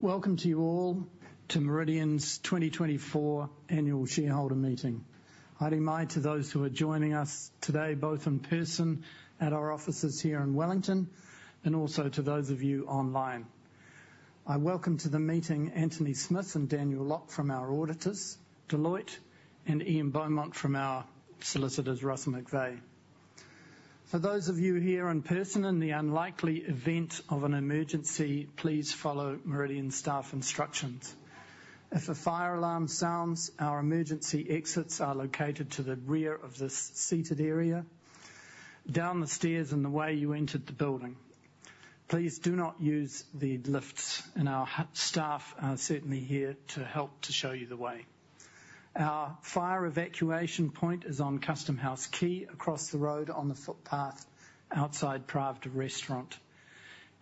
Welcome to you all to Meridian's 2024 Annual Shareholder Meeting. I'd imagine to those who are joining us today, both in person at our offices here in Wellington, and also to those of you online. I welcome to the meeting Anthony Smith and Daniel Lock from our auditors, Deloitte, and Ian Beaumont from our solicitors, Russell McVeagh. For those of you here in person, in the unlikely event of an emergency, please follow Meridian staff instructions. If a fire alarm sounds, our emergency exits are located to the rear of this seated area, down the stairs, and the way you entered the building. Please do not use the lifts, and our staff are certainly here to help to show you the way. Our fire evacuation point is on Customhouse Quay, across the road on the footpath outside Pravda Restaurant.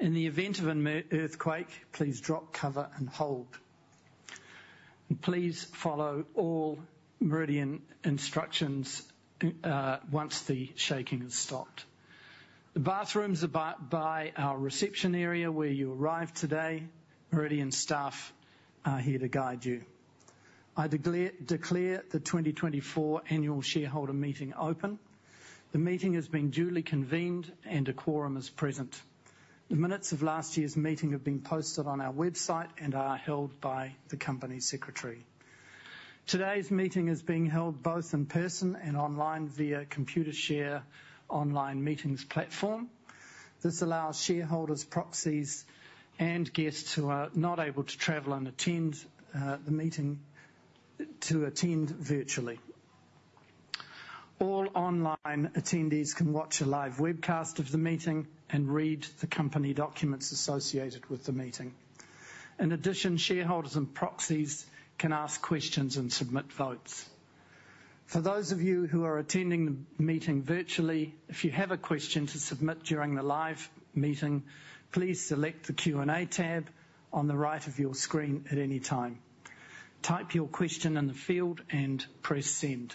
In the event of an earthquake, please drop, cover, and hold. Please follow all Meridian instructions once the shaking has stopped. The bathrooms are by our reception area where you arrived today. Meridian staff are here to guide you. I declare the 2024 Annual Shareholder Meeting open. The meeting has been duly convened, and the quorum is present. The minutes of last year's meeting have been posted on our website and are held by the company secretary. Today's meeting is being held both in person and online via Computershare Online Meetings platform. This allows shareholders, proxies, and guests who are not able to travel and attend the meeting to attend virtually. All online attendees can watch a live webcast of the meeting and read the company documents associated with the meeting. In addition, shareholders and proxies can ask questions and submit votes. For those of you who are attending the meeting virtually, if you have a question to submit during the live meeting, please select the Q&A tab on the right of your screen at any time. Type your question in the field and press send.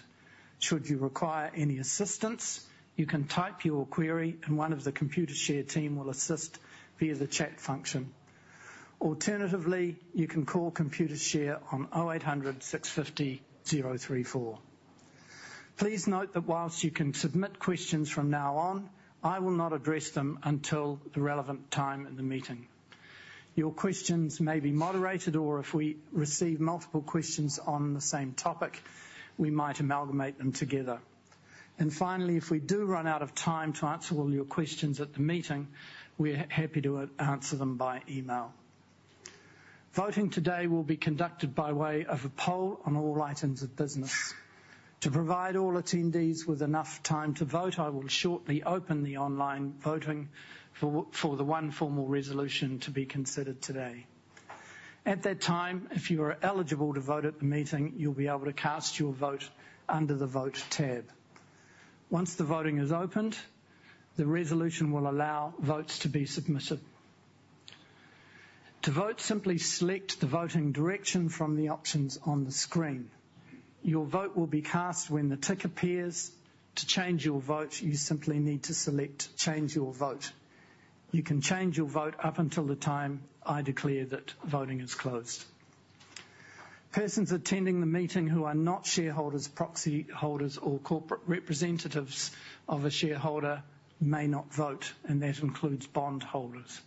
Should you require any assistance, you can type your query, and one of the Computershare team will assist via the chat function. Alternatively, you can call Computershare on 0800 650 034. Please note that whilst you can submit questions from now on, I will not address them until the relevant time in the meeting. Your questions may be moderated, or if we receive multiple questions on the same topic, we might amalgamate them together, and finally, if we do run out of time to answer all your questions at the meeting, we're happy to answer them by email. Voting today will be conducted by way of a poll on all items of business. To provide all attendees with enough time to vote, I will shortly open the online voting for the one formal resolution to be considered today. At that time, if you are eligible to vote at the meeting, you'll be able to cast your vote under the Vote tab. Once the voting is opened, the resolution will allow votes to be submitted. To vote, simply select the voting direction from the options on the screen. Your vote will be cast when the tick appears. To change your vote, you simply need to select Change Your Vote. You can change your vote up until the time I declare that voting is closed. Persons attending the meeting who are not shareholders, proxy holders, or corporate representatives of a shareholder may not vote, and that includes bondholders.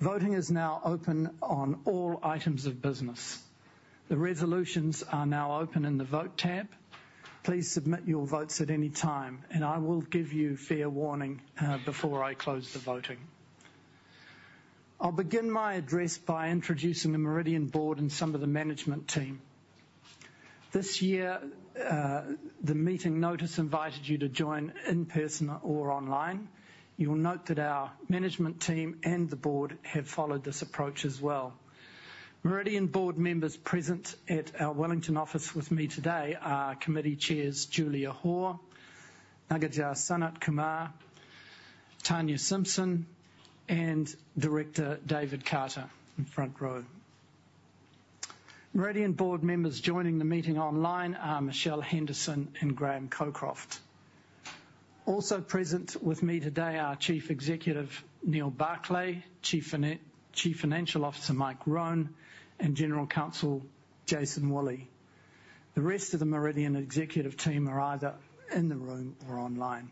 Voting is now open on all items of business. The resolutions are now open in the Vote tab. Please submit your votes at any time, and I will give you fair warning before I close the voting. I'll begin my address by introducing the Meridian Board and some of the management team. This year, the meeting notice invited you to join in person or online. You'll note that our management team and the board have followed this approach as well. Meridian Board members present at our Wellington office with me today are Committee Chairs Julia Hoare, Nagaja Sanatkumar, Tania Simpson, and Director David Carter in front row. Meridian Board members joining the meeting online are Michelle Henderson and Graham Cockroft. Also present with me today are Chief Executive Neal Barclay, Chief Financial Officer Mike Roan, and General Counsel Jason Woolley. The rest of the Meridian executive team are either in the room or online.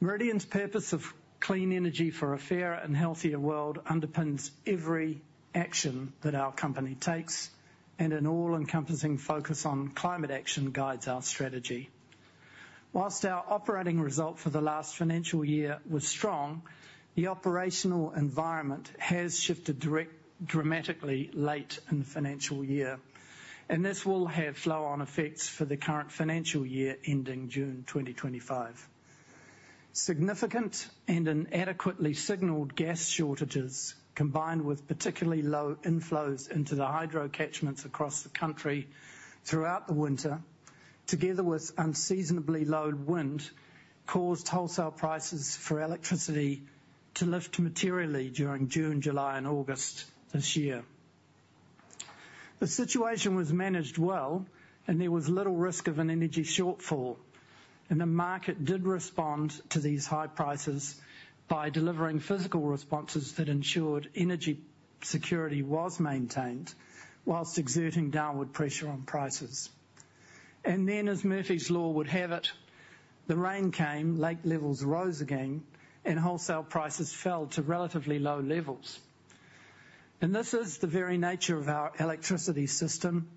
Meridian's purpose of clean energy for a fairer and healthier world underpins every action that our company takes, and an all-encompassing focus on climate action guides our strategy. Whilst our operating result for the last financial year was strong, the operational environment has shifted dramatically late in the financial year, and this will have flow-on effects for the current financial year ending June 2025 Significant and inadequately signaled gas shortages, combined with particularly low inflows into the hydro catchments across the country throughout the winter, together with unseasonably low wind, caused wholesale prices for electricity to lift materially during June, July, and August this year. The situation was managed well, and there was little risk of an energy shortfall, and the market did respond to these high prices by delivering physical responses that ensured energy security was maintained while exerting downward pressure on prices, and then, as Murphy's Law would have it, the rain came, lake levels rose again, and wholesale prices fell to relatively low levels, and this is the very nature of our electricity system.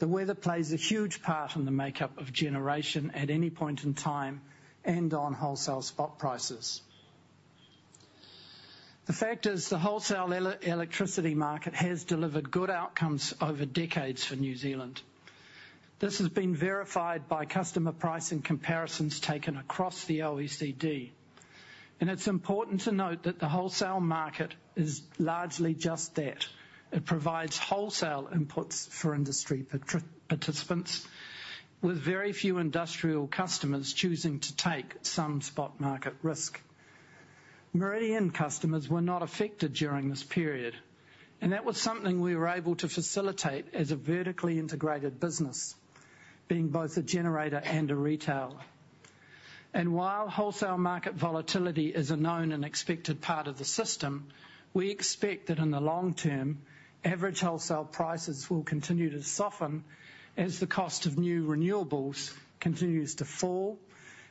The weather plays a huge part in the makeup of generation at any point in time and on wholesale spot prices. The fact is the wholesale electricity market has delivered good outcomes over decades for New Zealand. This has been verified by customer pricing comparisons taken across the OECD, and it's important to note that the wholesale market is largely just that. It provides wholesale inputs for industry participants, with very few industrial customers choosing to take some spot market risk. Meridian customers were not affected during this period, and that was something we were able to facilitate as a vertically integrated business, being both a generator and a retailer, and while wholesale market volatility is a known and expected part of the system, we expect that in the long term, average wholesale prices will continue to soften as the cost of new renewables continues to fall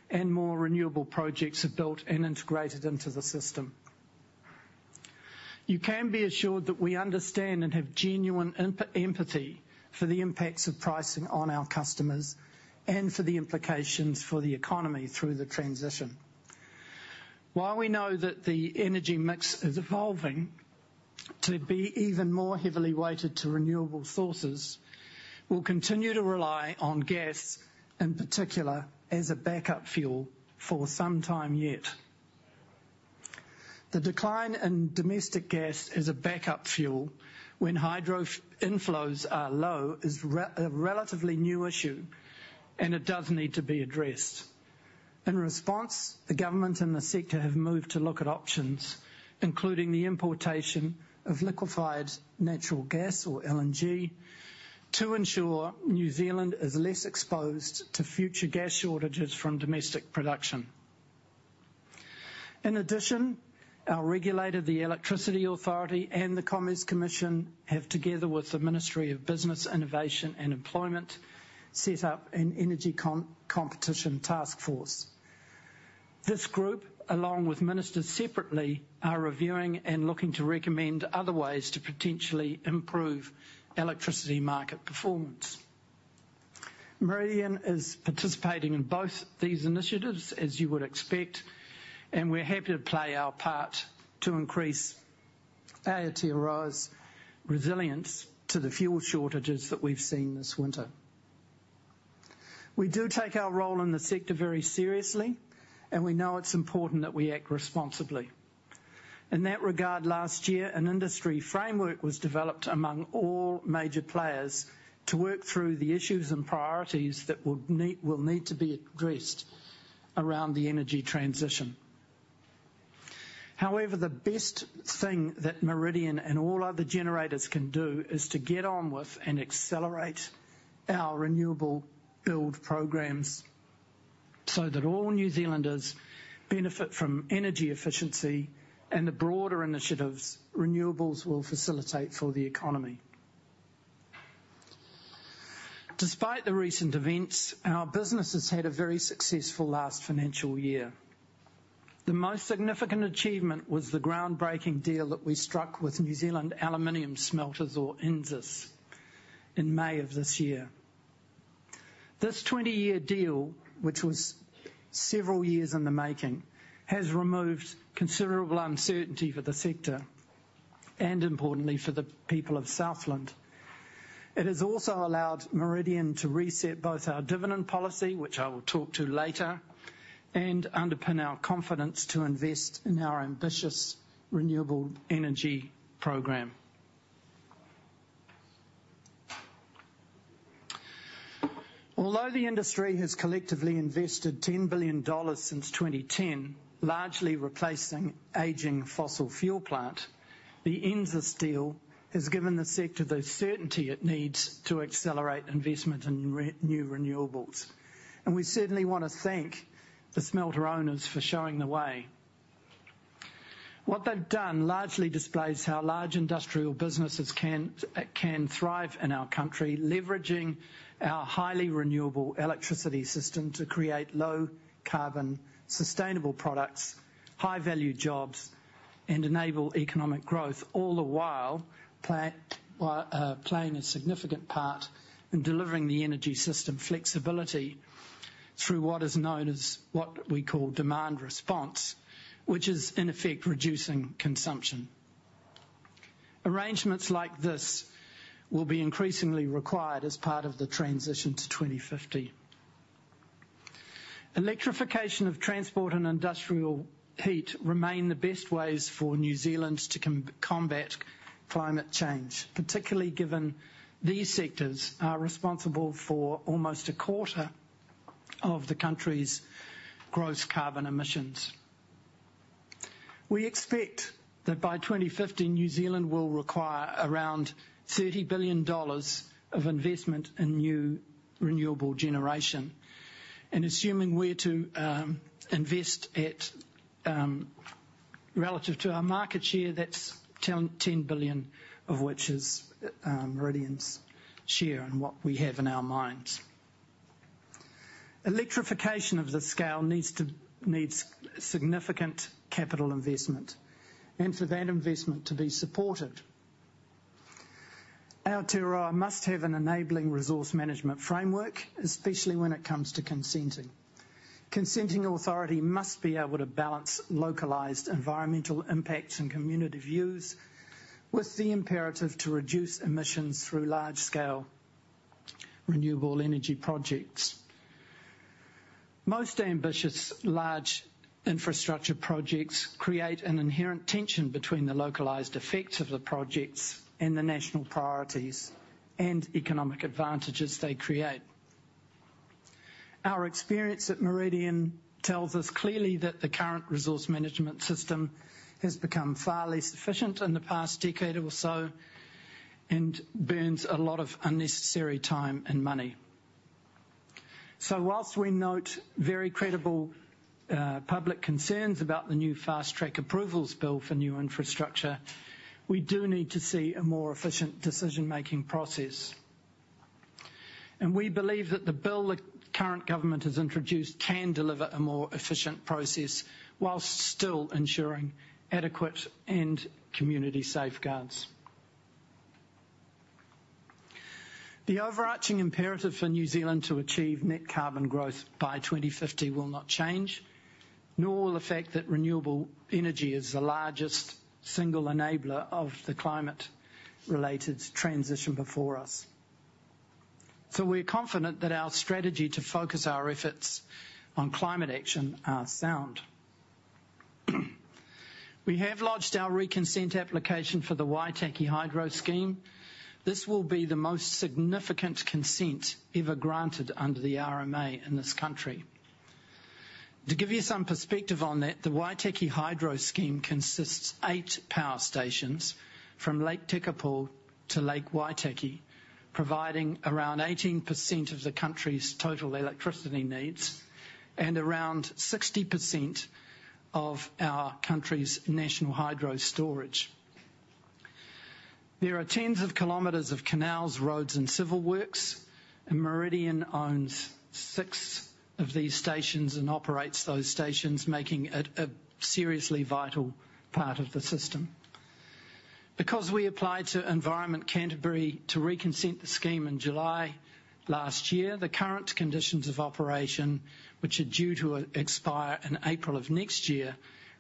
and more renewable projects are built and integrated into the system. You can be assured that we understand and have genuine empathy for the impacts of pricing on our customers and for the implications for the economy through the transition. While we know that the energy mix is evolving to be even more heavily weighted to renewable sources, we'll continue to rely on gas, in particular as a backup fuel for some time yet. The decline in domestic gas as a backup fuel when hydro inflows are low is a relatively new issue, and it does need to be addressed. In response, the government and the sector have moved to look at options, including the importation of liquefied natural gas, or LNG, to ensure New Zealand is less exposed to future gas shortages from domestic production. In addition, our regulator, the Electricity Authority, and the Commerce Commission have, together with the Ministry of Business, Innovation, and Employment, set up an energy competition task force. This group, along with ministers separately, are reviewing and looking to recommend other ways to potentially improve electricity market performance. Meridian is participating in both these initiatives, as you would expect, and we're happy to play our part to increase Aotearoa's resilience to the fuel shortages that we've seen this winter. We do take our role in the sector very seriously, and we know it's important that we act responsibly. In that regard, last year, an industry framework was developed among all major players to work through the issues and priorities that will need to be addressed around the energy transition. However, the best thing that Meridian and all other generators can do is to get on with and accelerate our renewable build programs so that all New Zealanders benefit from energy efficiency and the broader initiatives renewables will facilitate for the economy. Despite the recent events, our business has had a very successful last financial year. The most significant achievement was the groundbreaking deal that we struck with New Zealand Aluminium Smelters, or NZAS, in May of this year. This 20-year deal, which was several years in the making, has removed considerable uncertainty for the sector and, importantly, for the people of Southland. It has also allowed Meridian to reset both our dividend policy, which I will talk to later, and underpin our confidence to invest in our ambitious renewable energy program. Although the industry has collectively invested 10 billion dollars since 2010, largely replacing aging fossil fuel plants, the NZAS deal has given the sector the certainty it needs to accelerate investment in new renewables. We certainly want to thank the smelter owners for showing the way. What they've done largely displays how large industrial businesses can thrive in our country, leveraging our highly renewable electricity system to create low-carbon, sustainable products, high-value jobs, and enable economic growth, all the while playing a significant part in delivering the energy system flexibility through what is known as what we call demand response, which is, in effect, reducing consumption. Arrangements like this will be increasingly required as part of the transition to 2050. Electrification of transport and industrial heat remain the best ways for New Zealand to combat climate change, particularly given these sectors are responsible for almost a quarter of the country's gross carbon emissions. We expect that by 2050, New Zealand will require around 30 billion dollars of investment in new renewable generation. And assuming we're to invest relative to our market share, that's 10 billion, of which is Meridian's share and what we have in our minds. Electrification of the scale needs significant capital investment and for that investment to be supported. Our TRI must have an enabling resource management framework, especially when it comes to consenting. Consenting authority must be able to balance localized environmental impacts and community views with the imperative to reduce emissions through large-scale renewable energy projects. Most ambitious large infrastructure projects create an inherent tension between the localized effects of the projects and the national priorities and economic advantages they create. Our experience at Meridian tells us clearly that the current resource management system has become far less efficient in the past decade or so and burns a lot of unnecessary time and money. So while we note very credible public concerns about the new Fast-track Approvals Bill for new infrastructure, we do need to see a more efficient decision-making process. We believe that the bill the current government has introduced can deliver a more efficient process while still ensuring adequate and community safeguards. The overarching imperative for New Zealand to achieve net zero carbon by 2050 will not change, nor will the fact that renewable energy is the largest single enabler of the climate-related transition before us. So we're confident that our strategy to focus our efforts on climate action is sound. We have lodged our reconsent application for the Waitaki Hydro Scheme. This will be the most significant consent ever granted under the RMA in this country. To give you some perspective on that, the Waitaki Hydro Scheme consists of eight power stations from Lake Tekapo to Lake Waitaki, providing around 18% of the country's total electricity needs and around 60% of our country's national hydro storage. There are tens of kilometers of canals, roads, and civil works, and Meridian owns six of these stations and operates those stations, making it a seriously vital part of the system. Because we applied to Environment Canterbury to reconsent the scheme in July last year, the current conditions of operation, which are due to expire in April of next year,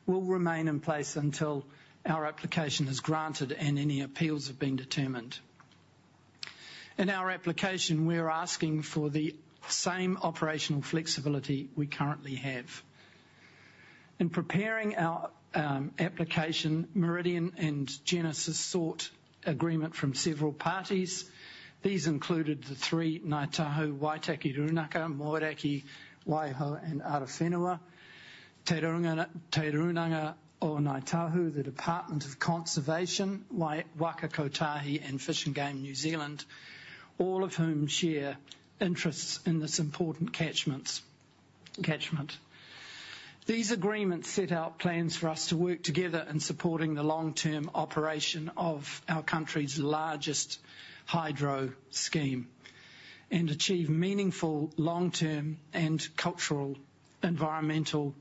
will remain in place until our application is granted and any appeals have been determined. In our application, we're asking for the same operational flexibility we currently have. In preparing our application, Meridian and Genesis sought agreement from several parties. These included the three: Ngāi Tahu, Waitaki Rūnanga, Moeraki, Waihao, and Arowhenua, Te Rūnanga o Ngāi Tahu, the Department of Conservation, Waka Kotahi, and Fish & Game New Zealand, all of whom share interests in this important catchment. These agreements set out plans for us to work together in supporting the long-term operation of our country's largest hydro scheme and achieve meaningful long-term and cultural environmental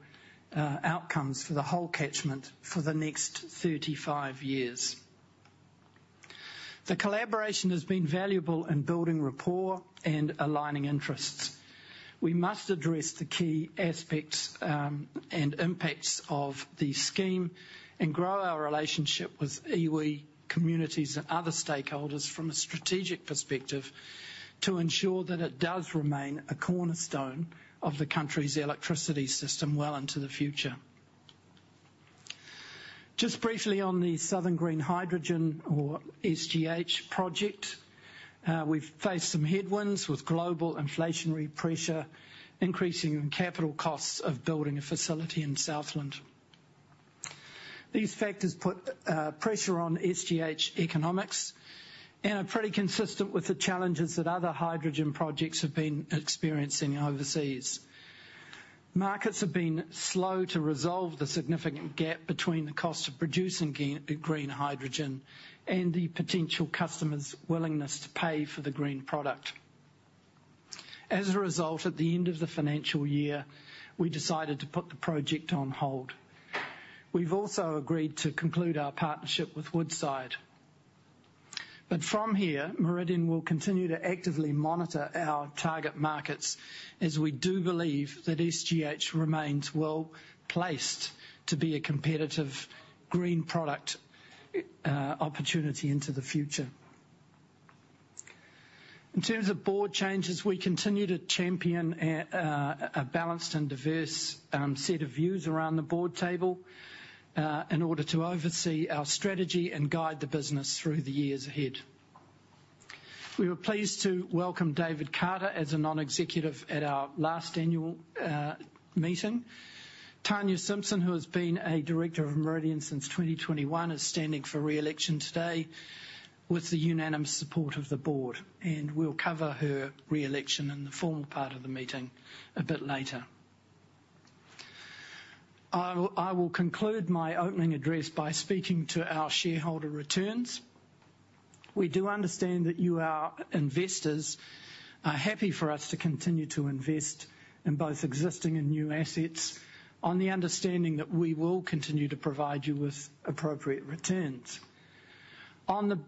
outcomes for the whole catchment for the next 35 years. The collaboration has been valuable in building rapport and aligning interests. We must address the key aspects and impacts of the scheme and grow our relationship with iwi communities and other stakeholders from a strategic perspective to ensure that it does remain a cornerstone of the country's electricity system well into the future. Just briefly on the Southern Green Hydrogen, or SGH, project, we've faced some headwinds with global inflationary pressure, increasing capital costs of building a facility in Southland. These factors put pressure on SGH economics and are pretty consistent with the challenges that other hydrogen projects have been experiencing overseas. Markets have been slow to resolve the significant gap between the cost of producing green hydrogen and the potential customer's willingness to pay for the green product. As a result, at the end of the financial year, we decided to put the project on hold. We've also agreed to conclude our partnership with Woodside. But from here, Meridian will continue to actively monitor our target markets as we do believe that SGH remains well placed to be a competitive green product opportunity into the future. In terms of board changes, we continue to champion a balanced and diverse set of views around the board table in order to oversee our strategy and guide the business through the years ahead. We were pleased to welcome David Carter as a non-executive at our last annual meeting. Tania Simpson, who has been a director of Meridian since 2021, is standing for re-election today with the unanimous support of the board, and we'll cover her re-election in the formal part of the meeting a bit later. I will conclude my opening address by speaking to our shareholder returns. We do understand that you, our investors, are happy for us to continue to invest in both existing and new assets on the understanding that we will continue to provide you with appropriate returns. On the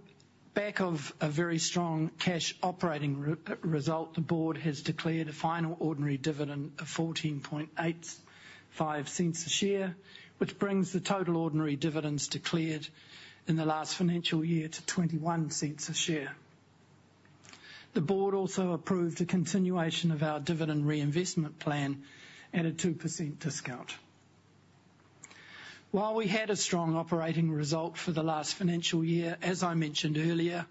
back of a very strong cash operating result, the board has declared a final ordinary dividend of 0.1485 a share, which brings the total ordinary dividends declared in the last financial year to 0.21 a share. The board also approved a continuation of our dividend reinvestment plan at a 2% discount. While we had a strong operating result for the last financial year, as I mentioned earlier,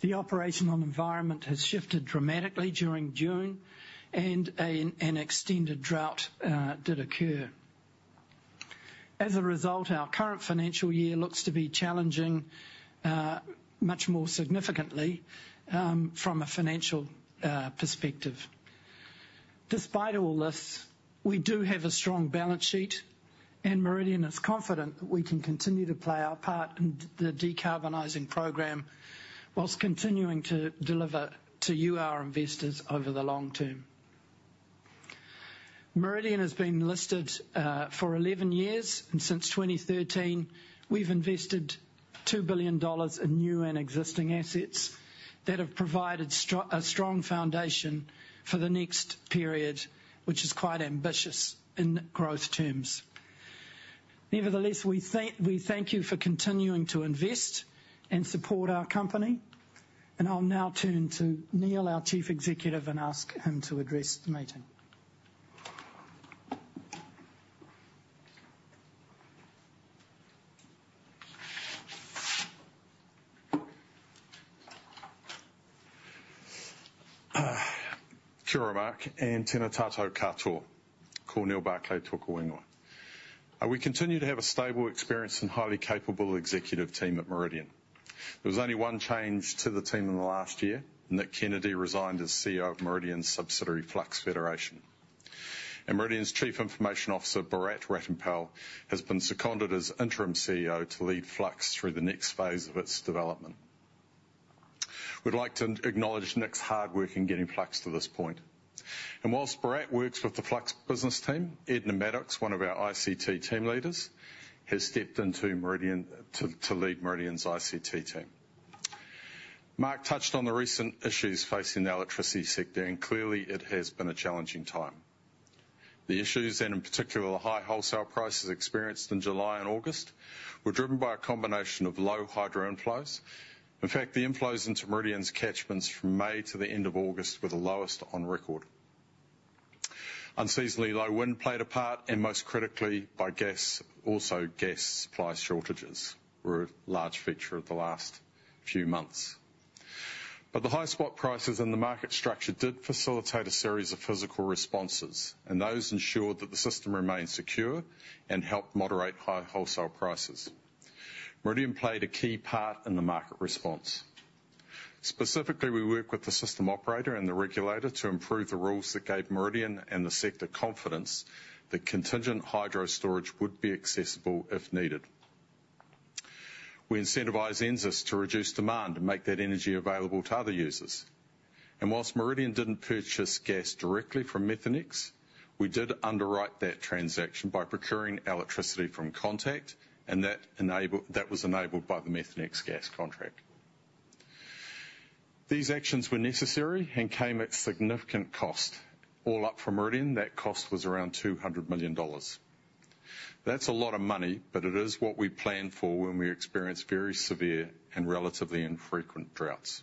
the operational environment has shifted dramatically during June, and an extended drought did occur. As a result, our current financial year looks to be challenging much more significantly from a financial perspective. Despite all this, we do have a strong balance sheet, and Meridian is confident that we can continue to play our part in the decarbonizing program whilst continuing to deliver to you, our investors, over the long term. Meridian has been listed for 11 years, and since 2013, we've invested 2 billion dollars in new and existing assets that have provided a strong foundation for the next period, which is quite ambitious in growth terms. Nevertheless, we thank you for continuing to invest and support our company. And I'll now turn to Neal, our Chief Executive, and ask him to address the meeting. Kia ora and tēnā koutou katoa. Neal Barclay, tēnā koutou. We continue to have a stable and experienced and highly capable executive team at Meridian. There was only one change to the team in the last year, and Nick Kennedy resigned as CEO of Meridian's subsidiary, Flux Federation. And Meridian's Chief Information Officer, Bharat Ratanpal, has been seconded as interim CEO to lead Flux through the next phase of its development. We'd like to acknowledge Nick's hard work in getting Flux to this point. And while Bharat works with the Flux business team, Edna Beddoes, one of our ICT team leaders, has stepped into Meridian to lead Meridian's ICT team. Mark touched on the recent issues facing the electricity sector, and clearly it has been a challenging time. The issues, and in particular the high wholesale prices experienced in July and August, were driven by a combination of low hydro inflows. In fact, the inflows into Meridian's catchments from May to the end of August were the lowest on record. Unseasonably low wind played a part, and most critically, the gas supply shortages were a large feature of the last few months. But the high spot prices in the market structure did facilitate a series of physical responses, and those ensured tha t the system remained secure and helped moderate high wholesale prices. Meridian played a key part in the market response. Specifically, we work with the system operator and the regulator to improve the rules that gave Meridian and the sector confidence that contingent hydro storage would be accessible if needed. We incentivize NZAS to reduce demand and make that energy available to other users. And while Meridian didn't purchase gas directly from Methanex, we did underwrite that transaction by procuring electricity from Contact, and that was enabled by the Methanex gas contract. These actions were necessary and came at significant cost. All up for Meridian, that cost was around 200 million dollars. That's a lot of money, but it is what we plan for when we experience very severe and relatively infrequent droughts.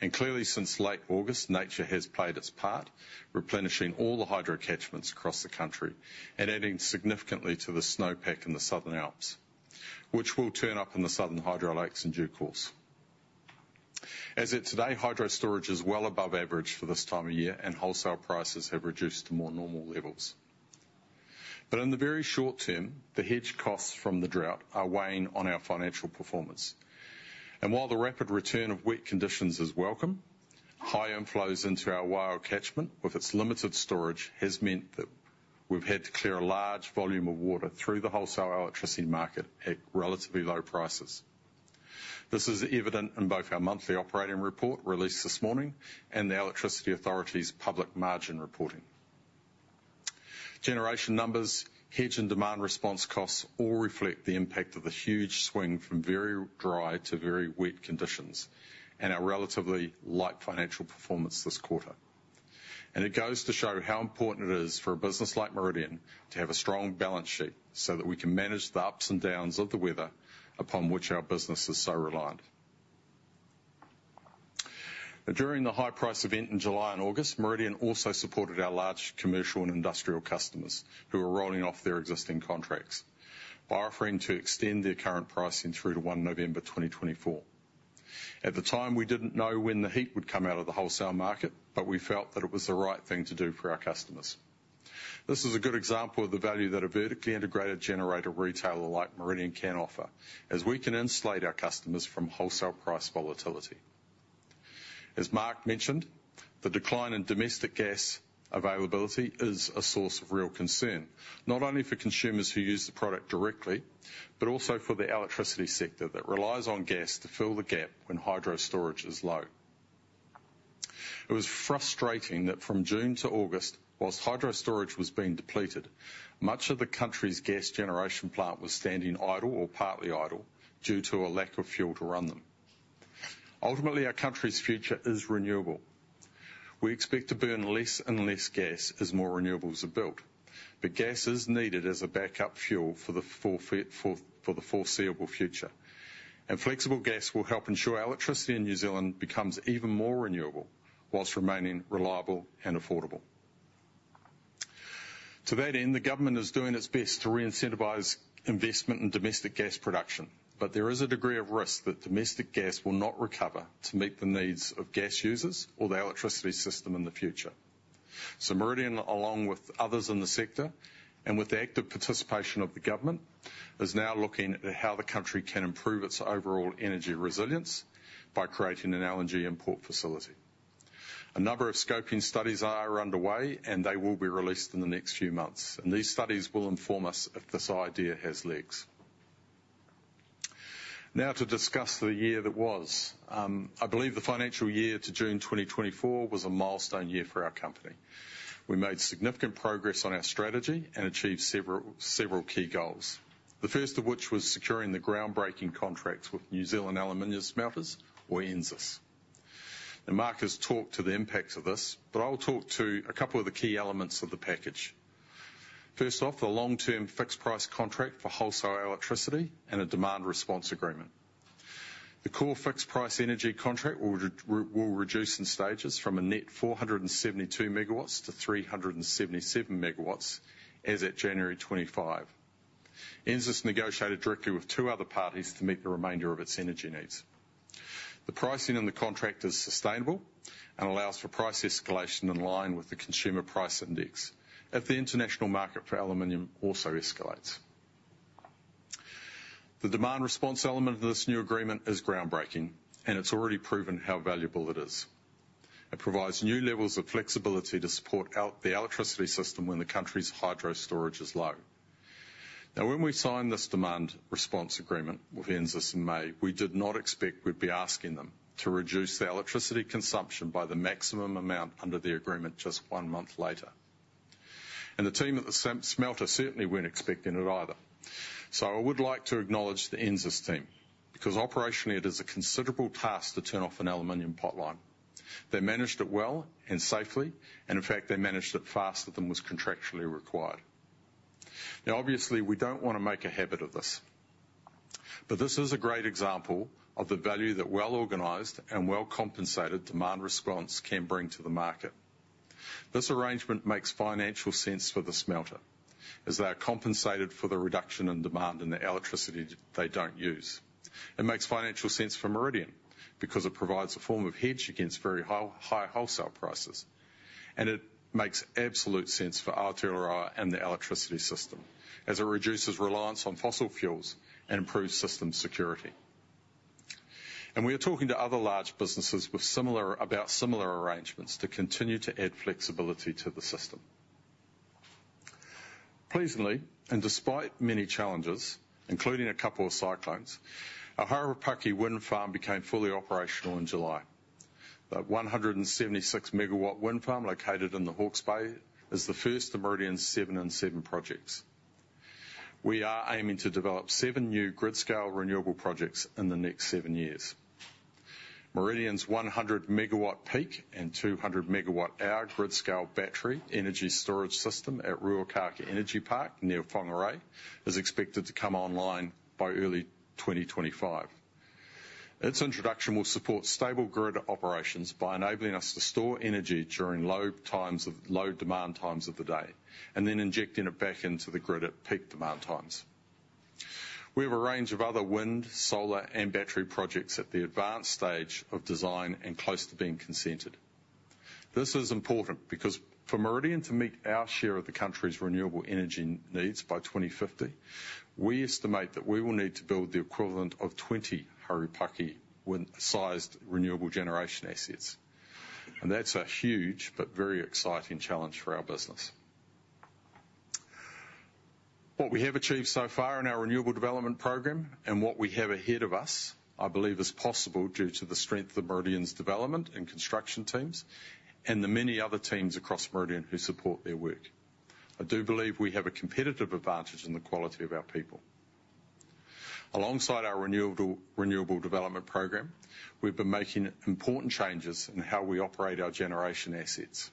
And clearly, since late August, nature has played its part, replenishing all the hydro catchments across the country and adding significantly to the snowpack in the Southern Alps, which will turn up in the southern hydro lakes and the Clutha. As of today, hydro storage is well above average for this time of year, and wholesale prices have reduced to more normal levels. But in the very short term, the hedge costs from the drought are weighing on our financial performance. While the rapid return of wet conditions is welcome, high inflows into our Waitaki catchment with its limited storage has meant that we've had to clear a large volume of water through the wholesale electricity market at relatively low prices. This is evident in both our monthly operating report released this morning and the Electricity Authority's public margin reporting. Generation numbers, hedge, and demand response costs all reflect the impact of the huge swing from very dry to very wet conditions and our relatively light financial performance this quarter. It goes to show how important it is for a business like Meridian to have a strong balance sheet so that we can manage the ups and downs of the weather upon which our business is so reliant. During the high price event in July and August, Meridian also supported our large commercial and industrial customers who were rolling off their existing contracts by offering to extend their current pricing through to 1 November 2024. At the time, we didn't know when the heat would come out of the wholesale market, but we felt that it was the right thing to do for our customers. This is a good example of the value that a vertically integrated generator retailer like Meridian can offer, as we can insulate our customers from wholesale price volatility. As Mark mentioned, the decline in domestic gas availability is a source of real concern, not only for consumers who use the product directly, but also for the electricity sector that relies on gas to fill the gap when hydro storage is low. It was frustrating that from June to August, whilst hydro storage was being depleted, much of the country's gas generation plant was standing idle or partly idle due to a lack of fuel to run them. Ultimately, our country's future is renewable. We expect to burn less and less gas as more renewables are built, but gas is needed as a backup fuel for the foreseeable future. And flexible gas will help ensure electricity in New Zealand becomes even more renewable whilst remaining reliable and affordable. To that end, the government is doing its best to re-incentivize investment in domestic gas production, but there is a degree of risk that domestic gas will not recover to meet the needs of gas users or the electricity system in the future. Meridian, along with others in the sector and with the active participation of the government, is now looking at how the country can improve its overall energy resilience by creating an LNG import facility. A number of scoping studies are underway, and they will be released in the next few months. And these studies will inform us if this idea has legs. Now, to discuss the year that was, I believe the financial year to June 2024 was a milestone year for our company. We made significant progress on our strategy and achieved several key goals, the first of which was securing the groundbreaking contracts with New Zealand Aluminium Smelters, or NZAS. And Mark has talked to the impacts of this, but I will talk to a couple of the key elements of the package. First off, the long-term fixed price contract for wholesale electricity and a demand response agreement. The core fixed price energy contract will reduce in stages from a net 472 megawatts to 377 megawatts as of January 25. NZAS negotiated directly with two other parties to meet the remainder of its energy needs. The pricing in the contract is sustainable and allows for price escalation in line with the Consumer Price Index if the international market for aluminum also escalates. The demand response element of this new agreement is groundbreaking, and it's already proven how valuable it is. It provides new levels of flexibility to support the electricity system when the country's hydro storage is low. Now, when we signed this demand response agreement with NZAS in May, we did not expect we'd be asking them to reduce the electricity consumption by the maximum amount under the agreement just one month later. And the team at the smelter certainly weren't expecting it either. So I would like to acknowledge the NZAS team because operationally, it is a considerable task to turn off an aluminum pipeline. They managed it well and safely, and in fact, they managed it faster than was contractually required. Now, obviously, we don't want to make a habit of this, but this is a great example of the value that well-organized and well-compensated demand response can bring to the market. This arrangement makes financial sense for the smelter as they are compensated for the reduction in demand in the electricity they don't use. It makes financial sense for Meridian because it provides a form of hedge against very high wholesale prices, and it makes absolute sense for Aotearoa and the electricity system as it reduces reliance on fossil fuels and improves system security, and we are talking to other large businesses about similar arrangements to continue to add flexibility to the system. Pleasingly, and despite many challenges, including a couple of cyclones, Harapaki Wind Farm became fully operational in July. The 176 megawatt wind farm located in the Hawke's Bay is the first of Meridian's seven-in-seven projects. We are aiming to develop seven new grid-scale renewable projects in the next seven years. Meridian's 100 megawatt peak and 200 megawatt-hour grid-scale battery energy storage system at Ruakākā Energy Park near Whangārei is expected to come online by early 2025. Its introduction will support stable grid operations by enabling us to store energy during low demand times of the day and then injecting it back into the grid at peak demand times. We have a range of other wind, solar, and battery projects at the advanced stage of design and close to being consented. This is important because for Meridian to meet our share of the country's renewable energy needs by 2050, we estimate that we will need to build the equivalent of 20 Harapaki-sized renewable generation assets. And that's a huge but very exciting challenge for our business. What we have achieved so far in our renewable development program and what we have ahead of us, I believe, is possible due to the strength of Meridian's development and construction teams and the many other teams across Meridian who support their work. I do believe we have a competitive advantage in the quality of our people. Alongside our renewable development program, we've been making important changes in how we operate our generation assets.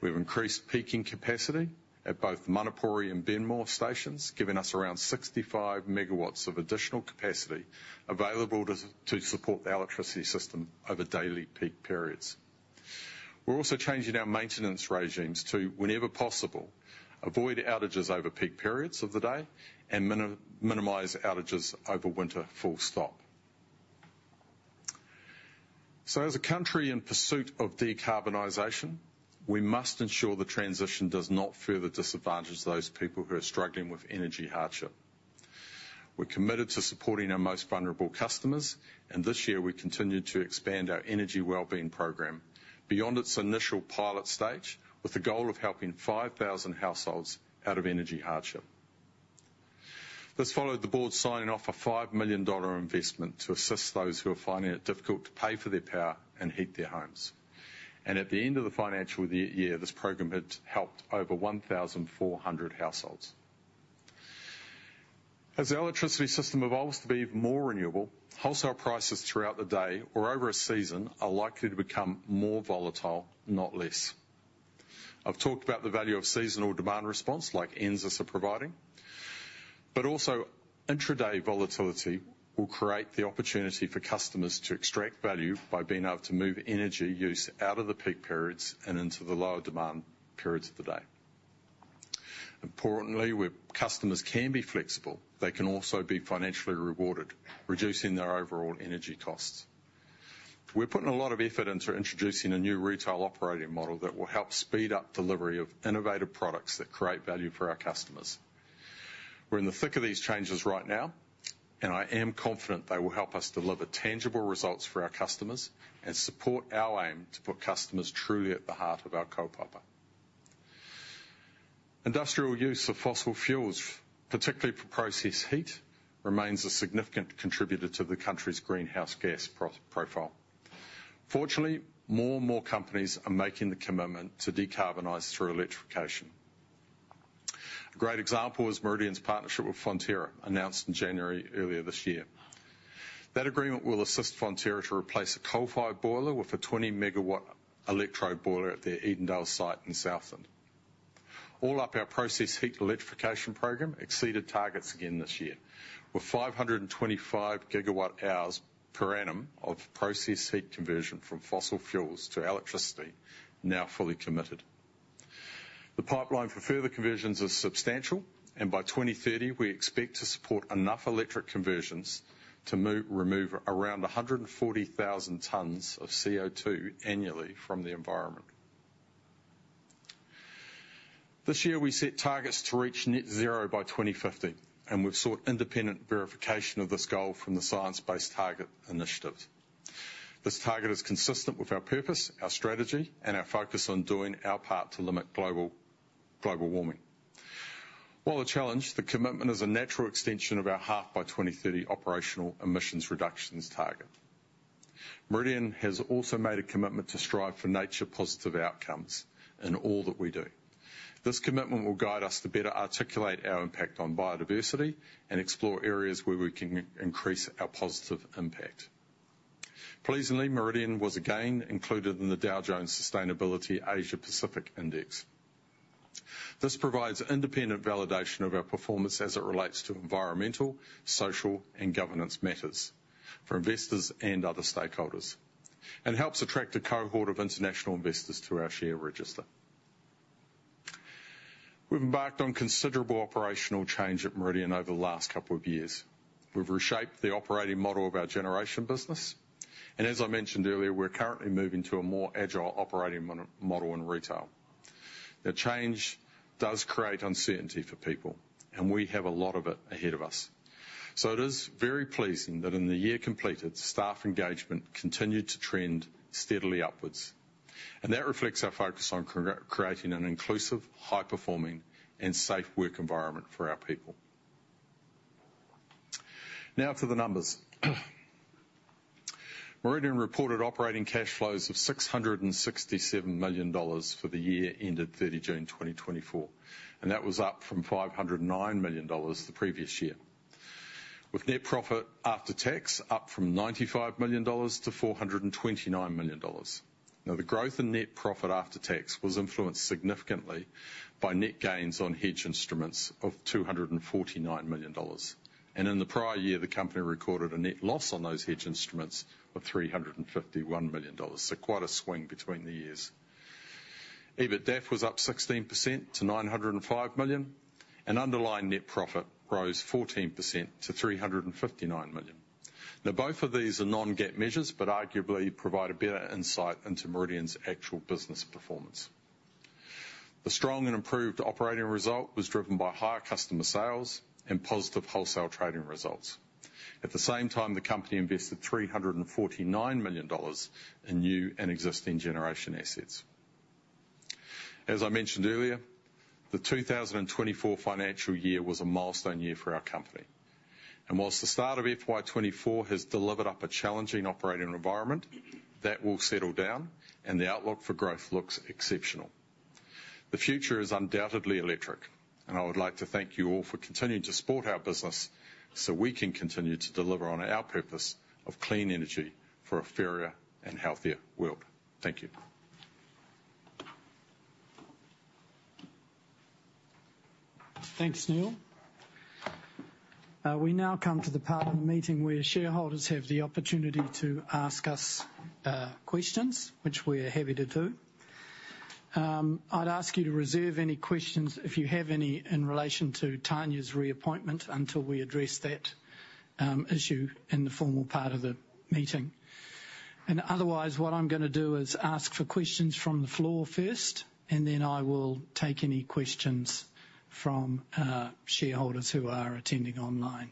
We've increased peaking capacity at both Manapōuri and Benmore stations, giving us around 65 megawatts of additional capacity available to support the electricity system over daily peak periods. We're also changing our maintenance regimes to, whenever possible, avoid outages over peak periods of the day and minimize outa ges over winter. As a country in pursuit of decarbonization, we must ensure the transition does not further disadvantage those people who are struggling with Energy Hardship. We're committed to supporting our most vulnerable customers, and this year we continue to expand our Energy Wellbeing Program beyond its initial pilot stage with the goal of helping 5,000 households out of Energy Hardship. This followed the board signing off a 5 million dollar investment to assist those who are finding it difficult to pay for their power and heat their homes, and at the end of the financial year, this program had helped over 1,400 households. As the electricity system evolves to be even more renewable, wholesale prices throughout the day or over a season are likely to become more volatile, not less. I've talked about the value of seasonal demand response like NZAS are providing, but also intraday volatility will create the opportunity for customers to extract value by being able to move energy use out of the peak periods and into the lower demand periods of the day. Importantly, where customers can be flexible, they can also be financially rewarded, reducing their overall energy costs. We're putting a lot of effort into introducing a new retail operating model that will help speed up delivery of innovative products that create value for our customers. We're in the thick of these changes right now, and I am confident they will help us deliver tangible results for our customers and support our aim to put customers truly at the heart of our kaupapa. Industrial use of fossil fuels, particularly for processed heat, remains a significant contributor to the country's greenhouse gas profile. Fortunately, more and more companies are making the commitment to decarbonize through electrification. A great example is Meridian's partnership with Fonterra, announced in January earlier this year. That agreement will assist Fonterra to replace a coal-fired boiler with a 20-megawatt electrode boiler at their Edendale site in Southland. All up, our processed heat electrification program exceeded targets again this year, with 525 gigawatt-hours per annum of processed heat conversion from fossil fuels to electricity now fully committed. The pipeline for further conversions is substantial, and by 2030, we expect to support enough electric conversions to remove around 140,000 tons of CO2 annually from the environment. This year, we set targets to reach net zero by 2050, and we've sought independent verification of this goal from the Science Based Targets initiatives. This target is consistent with our purpose, our strategy, and our focus on doing our part to limit global warming. While a challenge, the commitment is a natural extension of our half-by-2030 operational emissions reductions target. Meridian has also made a commitment to strive for nature-positive outcomes in all that we do. This commitment will guide us to better articulate our impact on biodiversity and explore areas where we can increase our positive impact. Pleasingly, Meridian was again included in the Dow Jones Sustainability Asia Pacific Index. This provides independent validation of our performance as it relates to environmental, social, and governance matters for investors and other stakeholders and helps attract a cohort of international investors to our share register. We've embarked on considerable operational change at Meridian over the last couple of years. We've reshaped the operating model of our generation business. And as I mentioned earlier, we're currently moving to a more agile operating model in retail. The change does create uncertainty for people, and we have a lot of it ahead of us. So it is very pleasing that in the year completed, staff engagement continued to trend steadily upwards. That reflects our focus on creating an inclusive, high-performing, and safe work environment for our people. Now, to the numbers. Meridian reported operating cash flows of 667 million dollars for the year ended 30 June 2024, and that was up from 509 million dollars the previous year, with net profit after tax up from 95 million dollars to 429 million dollars. Now, the growth in net profit after tax was influenced significantly by net gains on hedge instruments of 249 million dollars. In the prior year, the company recorded a net loss on those hedge instruments of 351 million dollars. Quite a swing between the years. EBITDA was up 16% to 905 million, and underlying net profit rose 14% to 359 million. Now, both of these are non-GAAP measures, but arguably provide a better insight into Meridian's actual business performance. The strong and improved operating result was driven by higher customer sales and positive wholesale trading results. At the same time, the company invested 349 million dollars in new and existing generation assets. As I mentioned earlier, the 2024 financial year was a milestone year for our company, and while the start of FY24 has delivered a challenging operating environment, that will settle down, and the outlook for growth looks exceptional. The future is undoubtedly electric, and I would like to thank you all for continuing to support our business so we can continue to deliver on our purpose of clean energy for a fairer and healthier world. Thank you. Thanks, Neal. We now come to the part of the meeting where shareholders have the opportunity to ask us questions, which we are happy to do. I'd ask you to reserve any questions, if you have any, in relation to Tania's reappointment until we address that issue in the formal part of the meeting, and otherwise, what I'm going to do is ask for questions from the floor first, and then I will take any questions from shareholders who are attending online,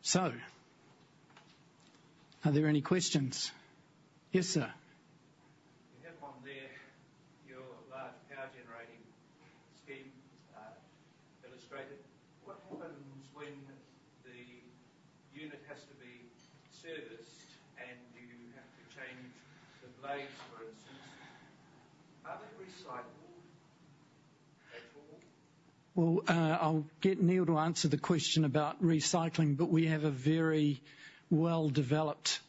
so are there any questions? Yes, sir. We have one there. Your large power generating scheme illustrated. What happens when the unit has to be serviced and you have to change the blades, for instance? Are they recycled at all? I'll get Neal to answer the question about recycling, but we have a very well-developed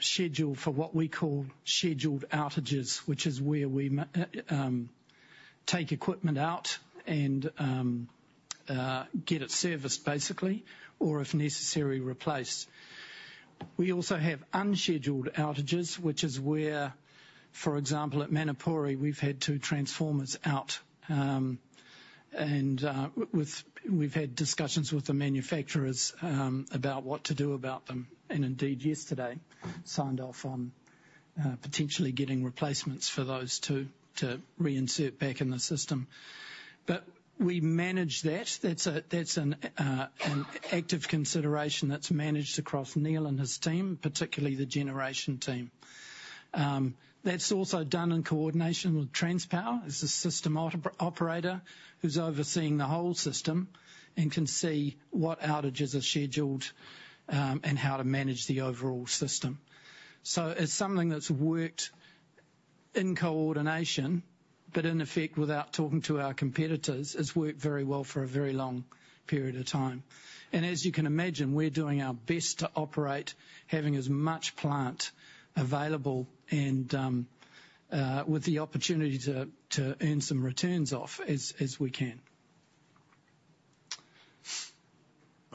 schedule for what we call scheduled outages, which is where we take equipment out and get it serviced, basically, or if necessary, replaced. We also have unscheduled outages, which is where, for example, at Manapōuri, we've had two transformers out, and we've had discussions with the manufacturers about what to do about them and indeed, yesterday, signed off on potentially getting replacements for those two to reinsert back in the system, but we manage that. That's an active consideration that's managed across Neal and his team, particularly the generation team. That's also done in coordination with Transpower. It's a system operator who's overseeing the whole system and can see what outages are scheduled and how to manage the overall system. It's something that's worked in coordination, but in effect, without talking to our competitors, has worked very well for a very long period of time. As you can imagine, we're doing our best to operate, having as much plant available and with the opportunity to earn some returns off as we can.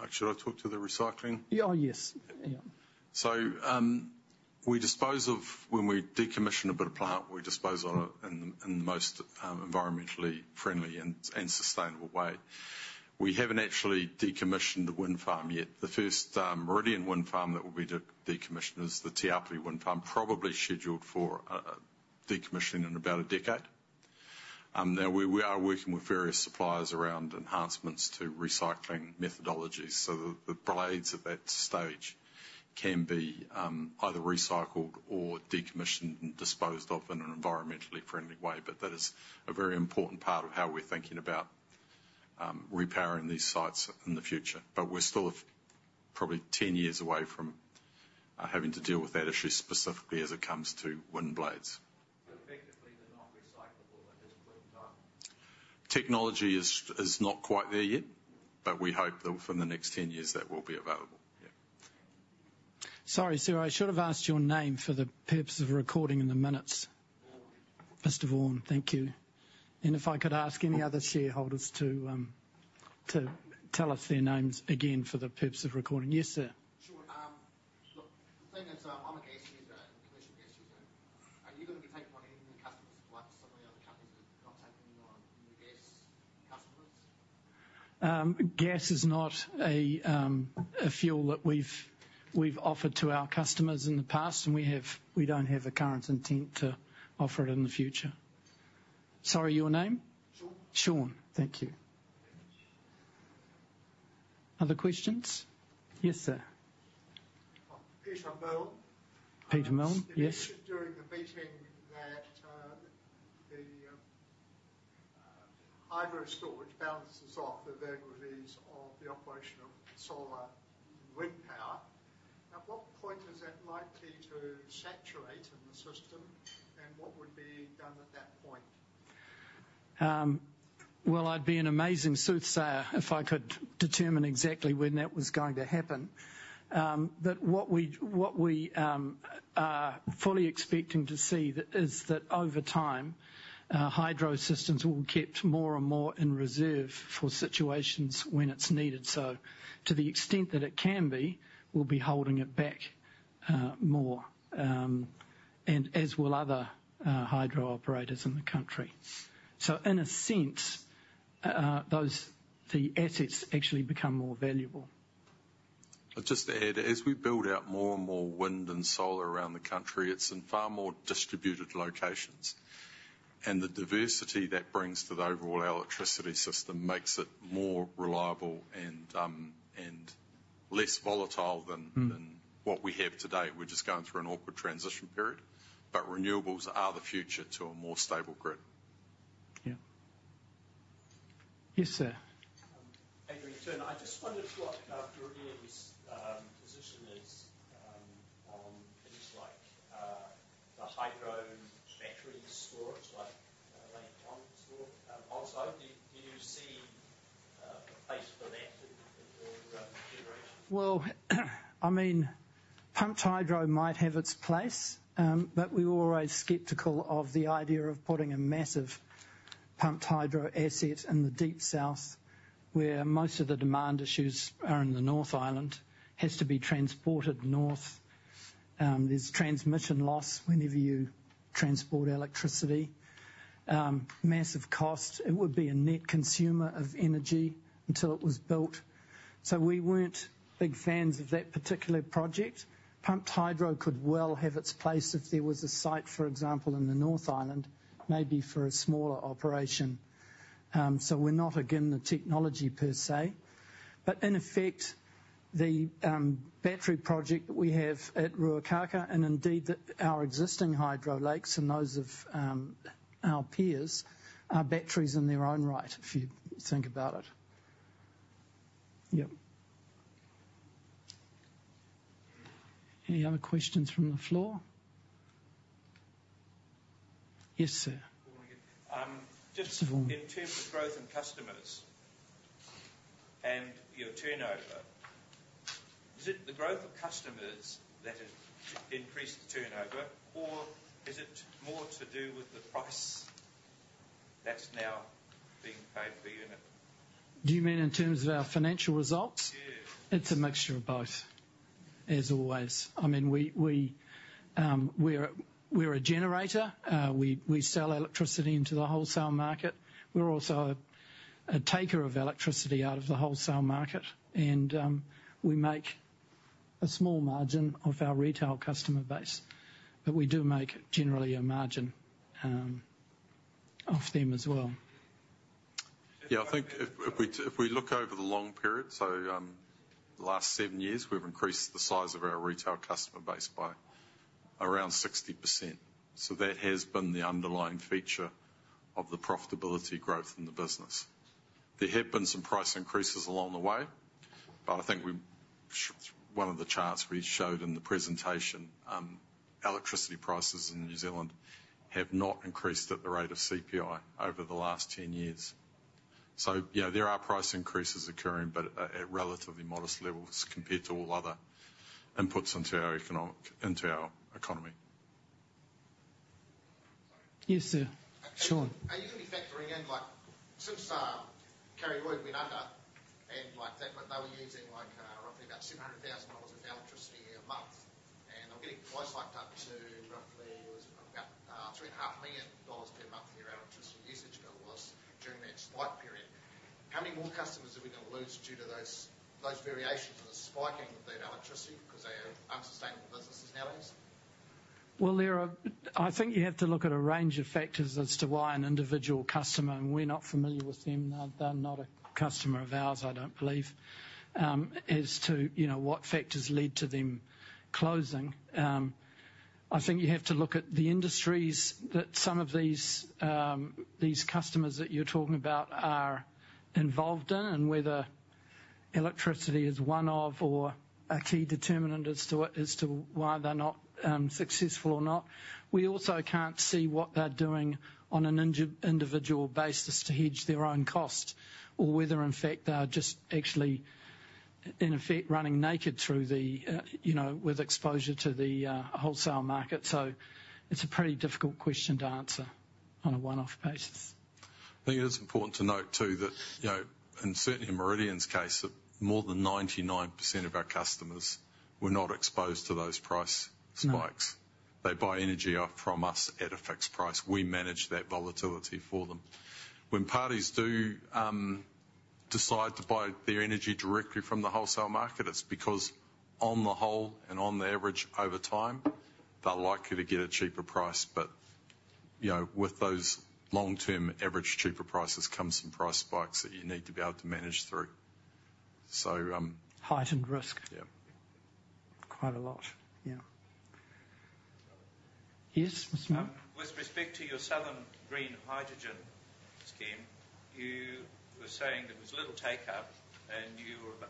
Should I talk to the recycling? Oh, yes. We dispose of when we decommission a bit of plant, we dispose of it in the most environmentally friendly and sustainable way. We haven't actually decommissioned the wind farm yet. The first Meridian wind farm that will be decommissioned is the Te Āpiti wind farm, probably scheduled for decommissioning in about a decade. Now, we are working with various suppliers around enhancements to recycling methodologies so that the blades at that stage can be either recycled or decommissioned and disposed of in an environmentally friendly way. That is a very important part of how we're thinking about repairing these sites in the future. We're still probably 10 years away from having to deal with that issue specifically as it comes to wind blades. So effectively, they're not recyclable at this point in time? Technology is not quite there yet, but we hope that within the next 10 years, that will be available. Yeah. Sorry, sir. I should have asked your name for the purpose of recording in the minutes. Mr. Vaughan, thank you, and if I could ask any other shareholders to tell us their names again for the purpose of recording. Yes, sir. Sure. Look, the thing is, I'm a gas user, and a commercial gas user. Are you going to be taking on any new customers? Like some of the other companies are not taking on new gas customers? Gas is not a fuel that we've offered to our customers in the past, and we don't have a current intent to offer it in the future. Sorry, your name? Sean. Sean. Thank you. Other questions? Yes, sir. Peter Millen. Peter Millen. Yes. You mentioned during the meeting that the hydro storage balances off the variabilities of the operation of solar and wind power. At what point is that likely to saturate in the system, and what would be done at that point? I'd be an amazing soothsayer if I could determine exactly when that was going to happen. What we are fully expecting to see is that over time, hydro systems will be kept more and more in reserve for situations when it's needed. To the extent that it can be, we'll be holding it back more, and as will other hydro operators in the country. In a sense, the assets actually become more valuable. I'll just add, as we build out more and more wind and solar around the country, it's in far more distributed locations. And the diversity that brings to the overall electricity system makes it more reliable and less volatile than what we have today. We're just going through an awkward transition period, but renewables are the future to a more stable grid. Yeah. Yes, sir. Adrian, I just wondered what Meridian's position is on things like the hydro battery storage, like on-site. Do you see a place for that in your generation? Well, I mean, pumped hydro might have its place, but we're always skeptical of the idea of putting a massive pumped hydro asset in the Deep South, where most of the demand issues are in the North Island, has to be transported north. There's transmission loss whenever you transport electricity. Massive cost. It would be a net consumer of energy until it was built. So, we weren't big fans of that particular project. Pumped hydro could well have its place if there was a site, for example, in the North Island, maybe for a smaller operation. So, we're not against the technology per se. But in effect, the battery project that we have at Ruakākā, and indeed our existing hydro lakes and those of our peers, are batteries in their own right, if you think about it. Yep. Any other questions from the floor? Yes, sir. Just. Mr. Vaughan. In terms of growth in customers and your turnover, is it the growth of customers that has increased the turnover, or is it more to do with the price that's now being paid per unit? Do you mean in terms of our financial results? Yes. It's a mixture of both, as always. I mean, we're a generator. We sell electricity into the wholesale market. We're also a taker of electricity out of the wholesale market, and we make a small margin of our retail customer base. But we do make generally a margin off them as well. Yeah, I think if we look over the long period, so the last seven years, we've increased the size of our retail customer base by around 60%. So, that has been the underlying feature of the profitability growth in the business. There have been some price increases along the way, but I think one of the charts we showed in the presentation, electricity prices in New Zealand have not increased at the rate of CPI over the last 10 years. So, yeah, there are price increases occurring, but at relatively modest levels compared to all other inputs into our economy. Yes, sir. Sean. Are you going to be factoring in since Karioi went under and like that, but they were using roughly about 700,000 dollars of electricity a month, and they were getting priced up to roughly about 3.5 million dollars per month of their electricity usage goal was during that spike period. How many more customers are we going to lose due to those variations of the spiking of that electricity because they are unsustainable businesses nowadays? I think you have to look at a range of factors as to why an individual customer, and we're not familiar with them. They're not a customer of ours, I don't believe, as to what factors lead to them closing. I think you have to look at the industries that some of these customers that you're talking about are involved in and whether electricity is one of or a key determinant as to why they're not successful or not. We also can't see what they're doing on an individual basis to hedge their own cost or whether, in fact, they are just actually, in effect, running naked with exposure to the wholesale market. It's a pretty difficult question to answer on a one-off basis. I think it is important to note too that, and certainly in Meridian's case, that more than 99% of our customers were not exposed to those price spikes. They buy energy from us at a fixed price. We manage that volatility for them. When parties do decide to buy their energy directly from the wholesale market, it's because on the whole and on the average over time, they're likely to get a cheaper price. But with those long-term average cheaper prices comes some price spikes that you need to be able to manage through. So. Heightened risk. Yeah. Quite a lot. Yeah. Yes, Mr. Millen? With respect to your Southern Green Hydrogen project, you were saying there was little take-up, and you are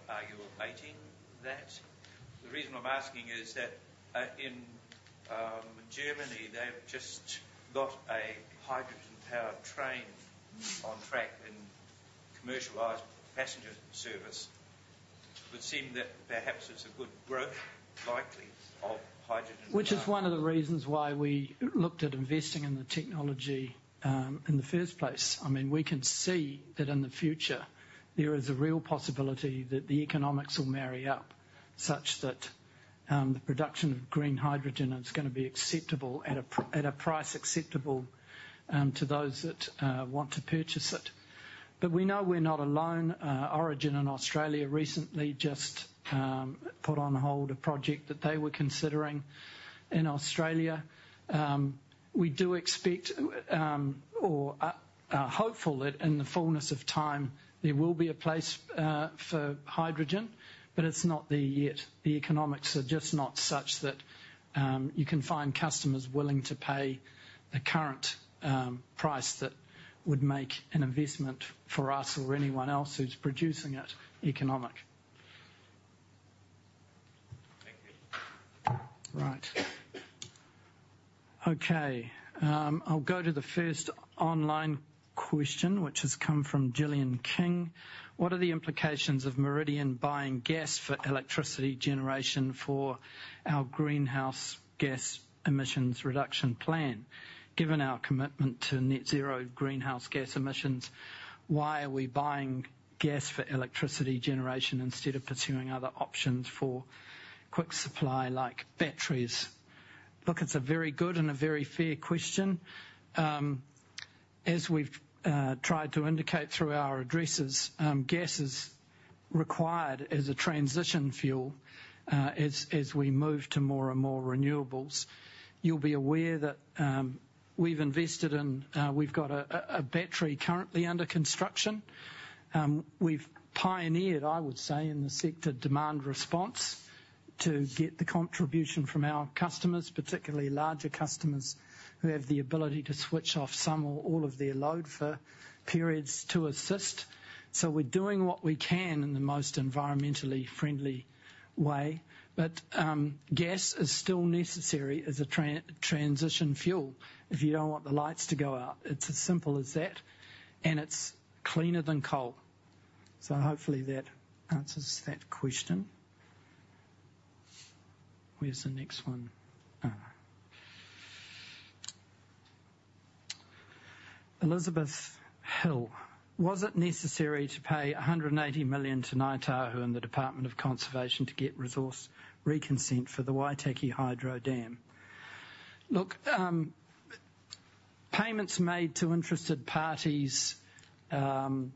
abating that. The reason I'm asking is that in Germany, they've just got a hydrogen-powered train on track and commercialized passenger service. It would seem that perhaps it's a good growth likely of hydrogen power. Which is one of the reasons why we looked at investing in the technology in the first place. I mean, we can see that in the future, there is a real possibility that the economics will marry up such that the production of green hydrogen is going to be acceptable at a price acceptable to those that want to purchase it. But we know we're not alone. Origin in Australia recently just put on hold a project that they were considering in Australia. We do expect or are hopeful that in the fullness of time, there will be a place for hydrogen, but it's not there yet. The economics are just not such that you can find customers willing to pay the current price that would make an investment for us or anyone else who's producing it economic. Thank you. Right. Okay. I'll go to the first online question, which has come from Gillian King. What are the implications of Meridian buying gas for electricity generation for our greenhouse gas emissions reduction plan? Given our commitment to net zero greenhouse gas emissions, why are we buying gas for electricity generation instead of pursuing other options for quick supply like batteries? Look, it's a very good and a very fair question. As we've tried to indicate through our addresses, gas is required as a transition fuel as we move to more and more renewables. You'll be aware that we've invested in. We've got a battery currently under construction. We've pioneered, I would say, in the sector demand response to get the contribution from our customers, particularly larger customers who have the ability to switch off some or all of their load for periods to assist. So, we're doing what we can in the most environmentally friendly way. But gas is still necessary as a transition fuel if you don't want the lights to go out. It's as simple as that. And it's cleaner than coal. So, hopefully, that answers that question. Where's the next one? Elizabeth Hill. Was it necessary to pay 180 million to Ngāi Tahu and the Department of Conservation to get resource reconsent for the Waitaki Hydro Scheme? Look, payments made to interested parties in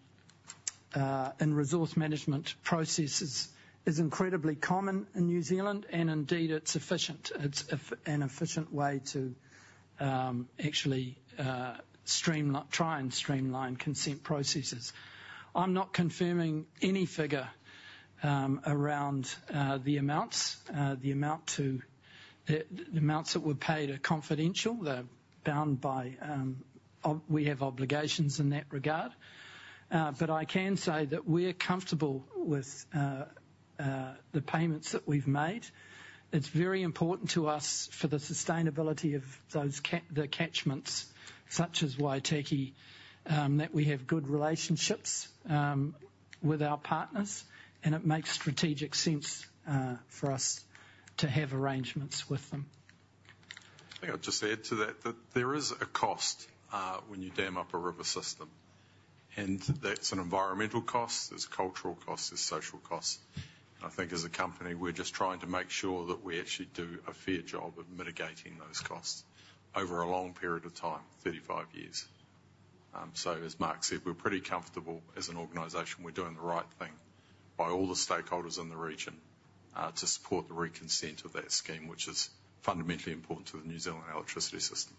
resource management processes is incredibly common in New Zealand, and indeed, it's efficient. It's an efficient way to actually try and streamline consent processes. I'm not confirming any figure around the amounts. The amounts that were paid are confidential. They're bound by we have obligations in that regard. But I can say that we're comfortable with the payments that we've made. It's very important to us for the sustainability of the catchments, such as Waitaki, that we have good relationships with our partners, and it makes strategic sense for us to have arrangements with them. I think I'll just add to that that there is a cost when you dam up a river system, and that's an environmental cost. There's cultural costs. There's social costs, and I think as a company, we're just trying to make sure that we actually do a fair job of mitigating those costs over a long period of time, 35 years, so as Mark said, we're pretty comfortable as an organization. We're doing the right thing by all the stakeholders in the region to support the reconsent of that scheme, which is fundamentally important to the New Zealand electricity system.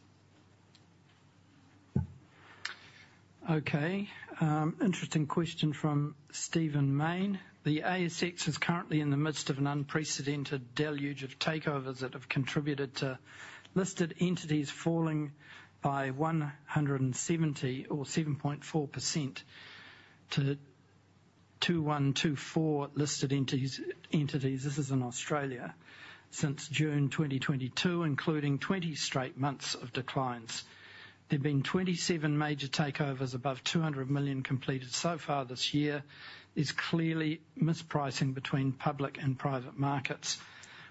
Okay. Interesting question from Stephen Mayne. The ASX is currently in the midst of an unprecedented deluge of takeovers that have contributed to listed entities falling by 170 or 7.4% to 2124 listed entities. This is in Australia since June 2022, including 20 straight months of declines. There have been 27 major takeovers above $200 million completed so far this year. There's clearly mispricing between public and private markets.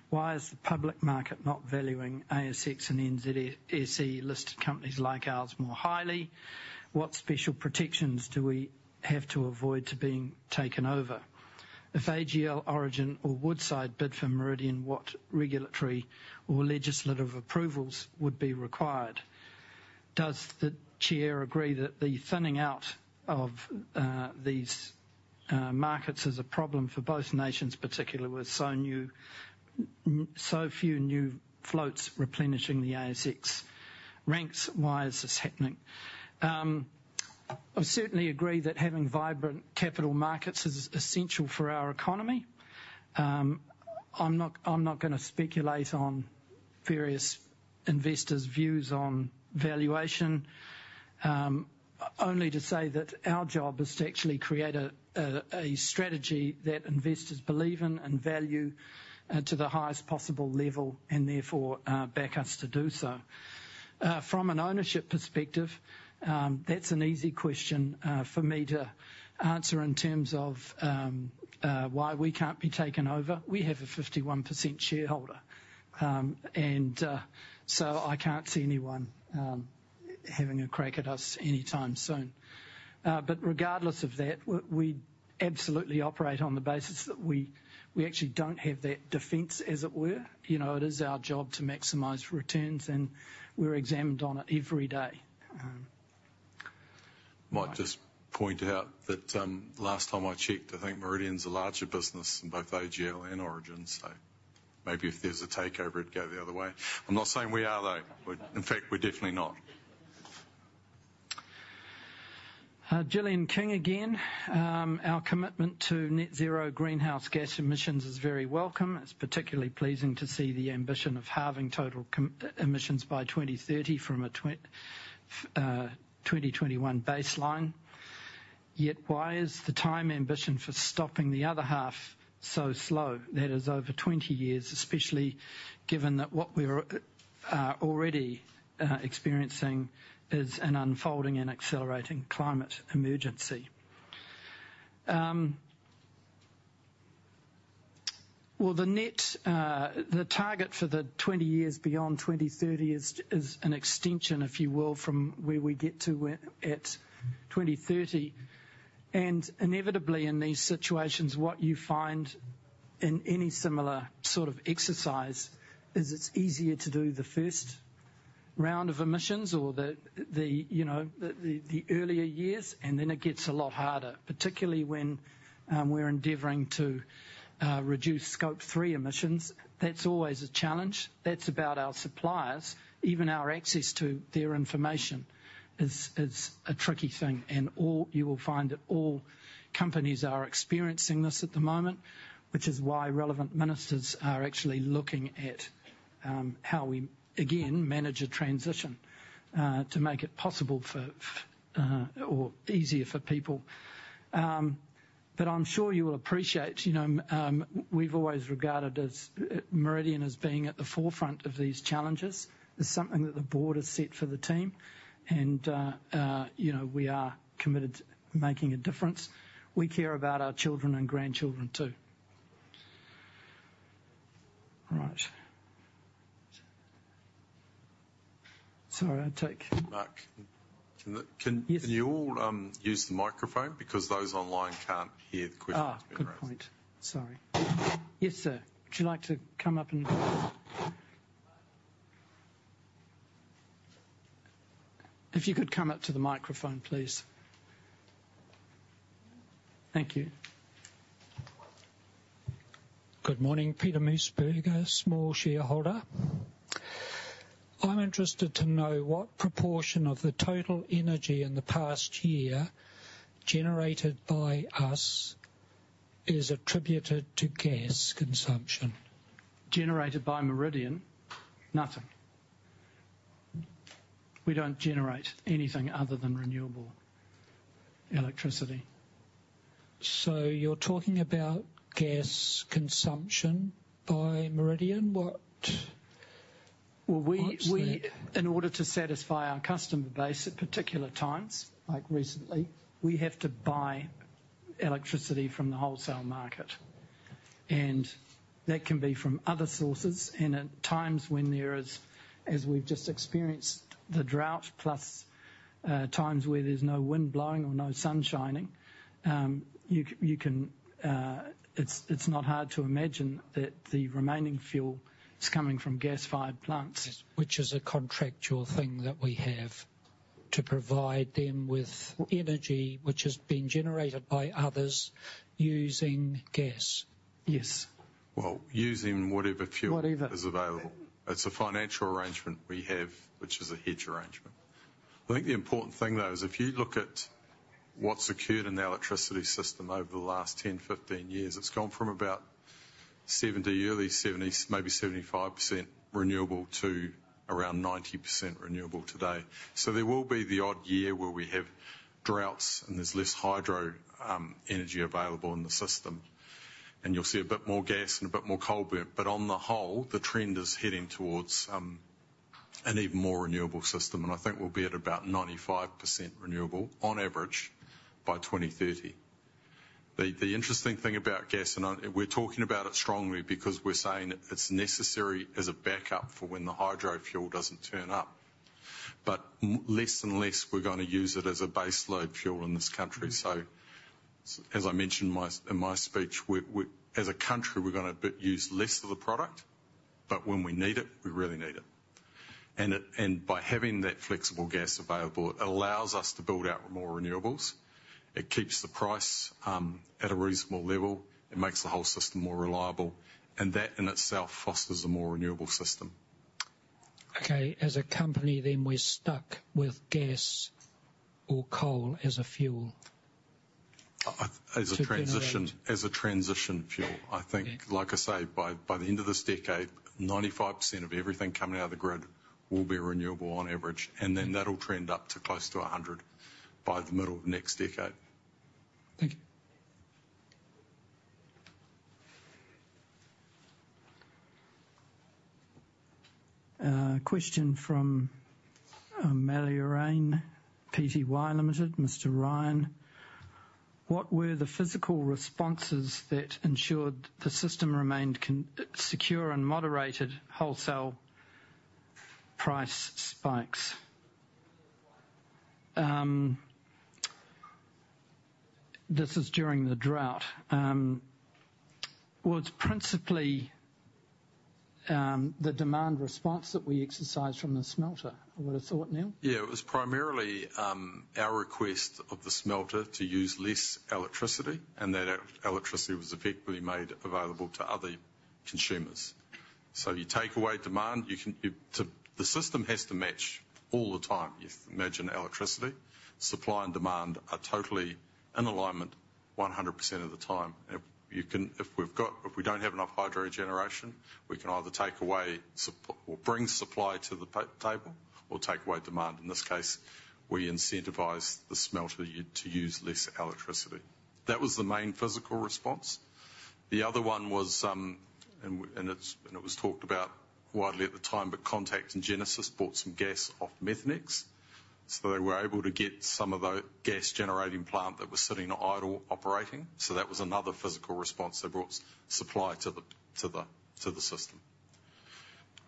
Why is the public market not valuing ASX and NZX listed companies like ours more highly? What special protections do we have to avoid being taken over? If AGL, Origin or Woodside bid for Meridian, what regulatory or legislative approvals would be required? Does the chair agree that the thinning out of these markets is a problem for both nations, particularly with so few new floats replenishing the ASX? Thanks, why is this happening? I certainly agree that having vibrant capital markets is essential for our economy. I'm not going to speculate on various investors' views on valuation, only to say that our job is to actually create a strategy that investors believe in and value to the highest possible level and therefore back us to do so. From an ownership perspective, that's an easy question for me to answer in terms of why we can't be taken over. We have a 51% shareholder. And so, I can't see anyone having a crack at us anytime soon. But regardless of that, we absolutely operate on the basis that we actually don't have that defense, as it were. It is our job to maximize returns, and we're examined on it every day. Might just point out that last time I checked, I think Meridian's a larger business in both AGL and Origin, so maybe if there's a takeover, it'd go the other way. I'm not saying we are, though. In fact, we're definitely not. Gillian King again. Our commitment to net zero greenhouse gas emissions is very welcome. It's particularly pleasing to see the ambition of halving total emissions by 2030 from a 2021 baseline. Yet, why is the time ambition for stopping the other half so slow? That is over 20 years, especially given that what we're already experiencing is an unfolding and accelerating climate emergency. Well, the target for the 20 years beyond 2030 is an extension, if you will, from where we get to at 2030. And inevitably, in these situations, what you find in any similar sort of exercise is it's easier to do the first round of emissions or the earlier years, and then it gets a lot harder, particularly when we're endeavoring to reduce Scope 3 emissions. That's always a challenge. That's about our suppliers. Even our access to their information is a tricky thing. You will find that all companies are experiencing this at the moment, which is why relevant ministers are actually looking at how we, again, manage a transition to make it possible for or easier for people. But I'm sure you will appreciate we've always regarded Meridian as being at the forefront of these challenges. It's something that the board has set for the team, and we are committed to making a difference. We care about our children and grandchildren too. Right. Sorry, I take. Mark, can you all use the microphone because those online can't hear the questions being asked? Oh, good point. Sorry. Yes, sir. Would you like to come up and if you could come up to the microphone, please. Thank you. Good morning. Peter Mossburger, small shareholder. I'm interested to know what proportion of the total energy in the past year generated by us is attributed to gas consumption. Generated by Meridian? Nothing. We don't generate anything other than renewable electricity. So, you're talking about gas consumption by Meridian. What's the? In order to satisfy our customer base at particular times, like recently, we have to buy electricity from the wholesale market. And that can be from other sources. And at times when there is, as we've just experienced, the drought, plus times where there's no wind blowing or no sun shining, it's not hard to imagine that the remaining fuel is coming from gas-fired plants. Which is a contractual thing that we have to provide them with energy, which has been generated by others using gas. Yes. Using whatever fuel is available. It's a financial arrangement we have, which is a hedge arrangement. I think the important thing, though, is if you look at what's occurred in the electricity system over the last 10-15 years, it's gone from about 70%, early 70%, maybe 75% renewable to around 90% renewable today. So, there will be the odd year where we have droughts and there's less hydro energy available in the system. And you'll see a bit more gas and a bit more coal burn. But on the whole, the trend is heading towards an even more renewable system. And I think we'll be at about 95% renewable on average by 2030. The interesting thing about gas, and we're talking about it strongly because we're saying it's necessary as a backup for when the hydro fuel doesn't turn up. But less and less, we're going to use it as a base load fuel in this country. So, as I mentioned in my speech, as a country, we're going to use less of the product, but when we need it, we really need it. And by having that flexible gas available, it allows us to build out more renewables. It keeps the price at a reasonable level. It makes the whole system more reliable. And that in itself fosters a more renewable system. Okay. As a company, then, we're stuck with gas or coal as a fuel? As a transition fuel. I think, like I say, by the end of this decade, 95% of everything coming out of the grid will be renewable on average. And then that'll trend up to close to 100% by the middle of next decade. Thank you. Question from Manorane Pty Limited. Mr. Ryan, what were the physical responses that ensured the system remained secure and moderated wholesale price spikes? This is during the drought. Was it principally the demand response that we exercised from the smelter? What a thought, Neal. Yeah, it was primarily our request of the smelter to use less electricity and that electricity was effectively made available to other consumers. So, you take away demand. The system has to match all the time. You imagine electricity. Supply and demand are totally in alignment 100% of the time. If we don't have enough hydro generation, we can either take away or bring supply to the table or take away demand. In this case, we incentivize the smelter to use less electricity. That was the main physical response. The other one was, and it was talked about widely at the time, but Contact and Genesis bought some gas off Methanex. So, they were able to get some of the gas-generating plant that was sitting idle operating. So, that was another physical response. They brought supply to the system.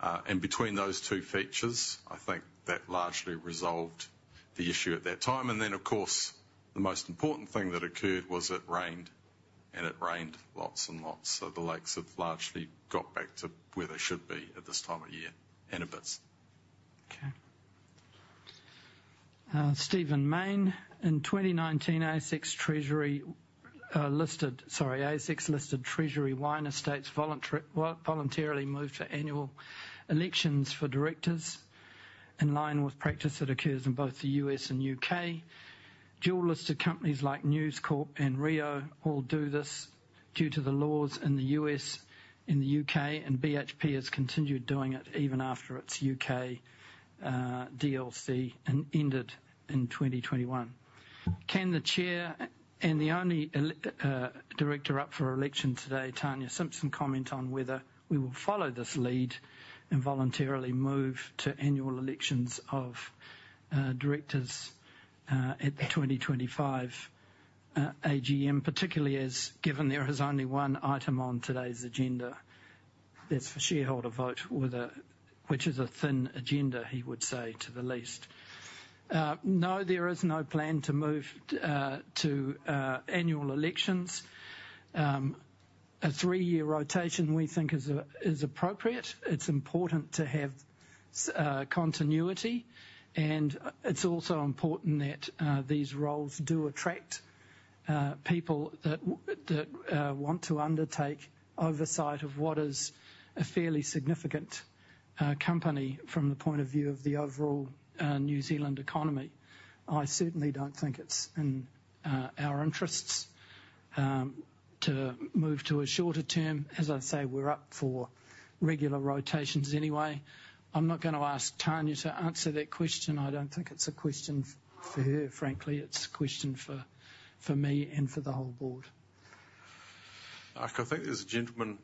And between those two features, I think that largely resolved the issue at that time. And then, of course, the most important thing that occurred was it rained. And it rained lots and lots. So, the lakes have largely got back to where they should be at this time of year and a bit. Okay. Stephen Mayne. In 2019, ASX listed Treasury Wine Estates voluntarily moved to annual elections for directors in line with practice that occurs in both the U.S. and U.K. Dual-listed companies like News Corp and Rio all do this due to the laws in the U.S. and the U.K., and BHP has continued doing it even after its UK DLC ended in 2021. Can the chair and the only director up for election today, Tania Simpson, comment on whether we will follow this lead and voluntarily move to annual elections of directors at the 2025 AGM, particularly as given there is only one item on today's agenda that's for shareholder vote, which is a thin agenda, to say the least. No, there is no plan to move to annual elections. A three-year rotation, we think, is appropriate. It's important to have continuity. It's also important that these roles do attract people that want to undertake oversight of what is a fairly significant company from the point of view of the overall New Zealand economy. I certainly don't think it's in our interests to move to a shorter term. As I say, we're up for regular rotations anyway. I'm not going to ask Tania to answer that question. I don't think it's a question for her, frankly. It's a question for me and for the whole board. Mark, I think there's a gentleman.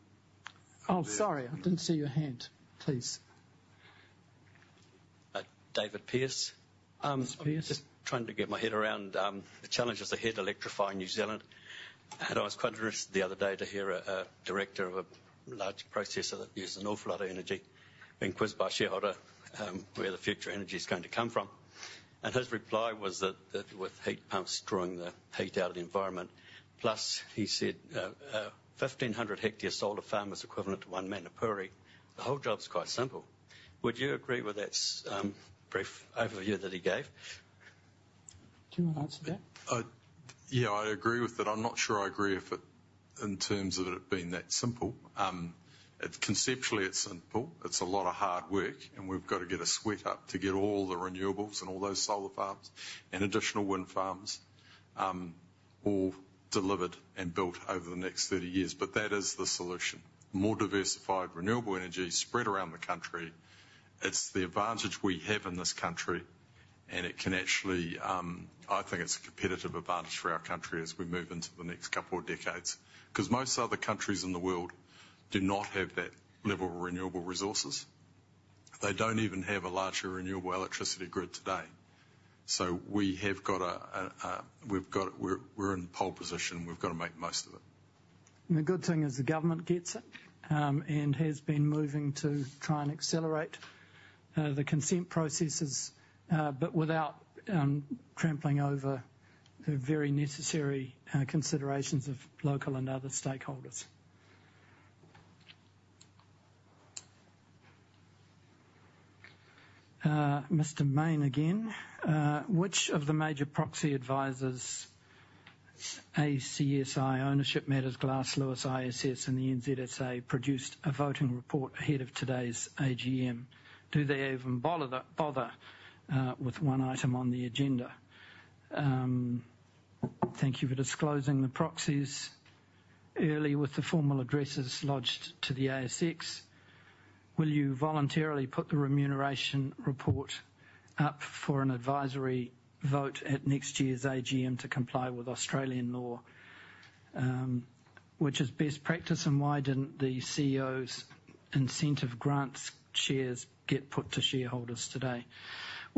Oh, sorry. I didn't see your hand. Please. Just trying to get my head around the challenges ahead of electrifying New Zealand. I was quite interested the other day to hear a director of a large processor that uses an awful lot of energy being quizzed by a shareholder where the future energy is going to come from. His reply was that with heat pumps drawing the heat out of the environment, plus he said a 1,500-hectare solar farm is equivalent to one Manapōuri. The whole job's quite simple. Would you agree with that brief overview that he gave? Do you want to answer that? Yeah, I agree with that. I'm not sure I agree in terms of it being that simple. Conceptually, it's simple. It's a lot of hard work. And we've got to get a sweat up to get all the renewables and all those solar farms and additional wind farms all delivered and built over the next 30 years. But that is the solution. More diversified renewable energy spread around the country. It's the advantage we have in this country. And it can actually, I think it's a competitive advantage for our country as we move into the next couple of decades because most other countries in the world do not have that level of renewable resources. They don't even have a larger renewable electricity grid today. So, we're in pole position. We've got to make the most of it. The good thing is the government gets it and has been moving to try and accelerate the consent processes, but without trampling over the very necessary considerations of local and other stakeholders. Mr. Mayne again. Which of the major proxy advisors, ACSI, Ownership Matters, Glass Lewis, ISS, and the NZSA produced a voting report ahead of today's AGM? Do they even bother with one item on the agenda? Thank you for disclosing the proxies early with the formal addresses lodged to the ASX. Will you voluntarily put the remuneration report up for an advisory vote at next year's AGM to comply with Australian law? Which is best practice? And why didn't the CEO's incentive grants shares get put to shareholders today?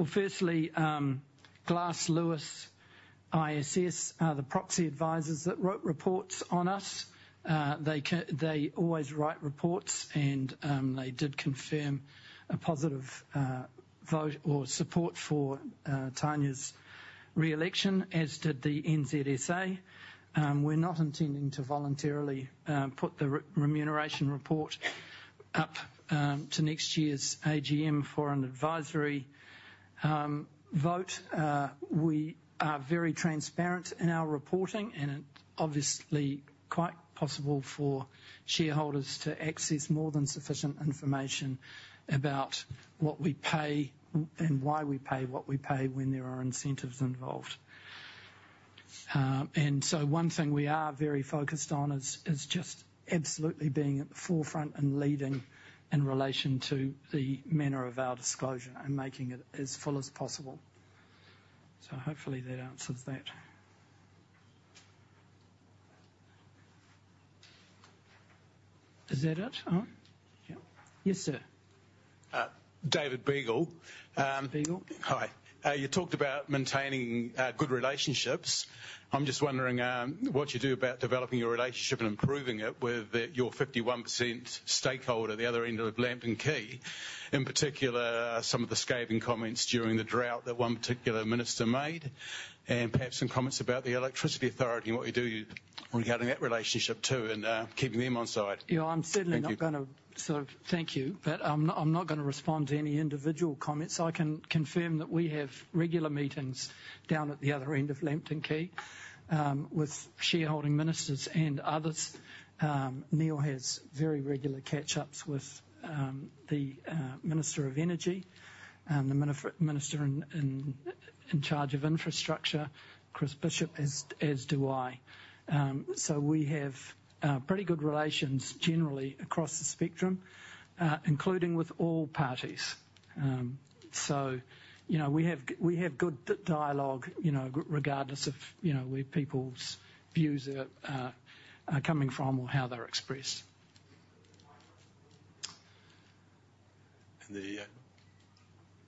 Firstly, Glass Lewis, ISS are the proxy advisors that wrote reports on us. They always write reports. They did confirm a positive vote or support for Tania's re-election, as did the NZSA. We're not intending to voluntarily put the remuneration report up to next year's AGM for an advisory vote. We are very transparent in our reporting. And it's obviously quite possible for shareholders to access more than sufficient information about what we pay and why we pay what we pay when there are incentives involved. And so, one thing we are very focused on is just absolutely being at the forefront and leading in relation to the manner of our disclosure and making it as full as possible. So, hopefully, that answers that. Is that it? Yes, sir. David Begg. Beagle. Hi. You talked about maintaining good relationships. I'm just wondering what you do about developing your relationship and improving it with your 51% stakeholder at the other end of Lambton Quay, in particular some of the scathing comments during the drought that one particular minister made and perhaps some comments about the Electricity Authority and what you do regarding that relationship too and keeping them onside. Yeah, I'm certainly not going to sort of thank you, but I'm not going to respond to any individual comments. I can confirm that we have regular meetings down at the other end of Lambton Quay with shareholding ministers and others. Neal has very regular catch-ups with the Minister of Energy and the Minister in charge of Infrastructure, Chris Bishop, as do I. So, we have pretty good relations generally across the spectrum, including with all parties. So, we have good dialogue regardless of where people's views are coming from or how they're expressed. And the.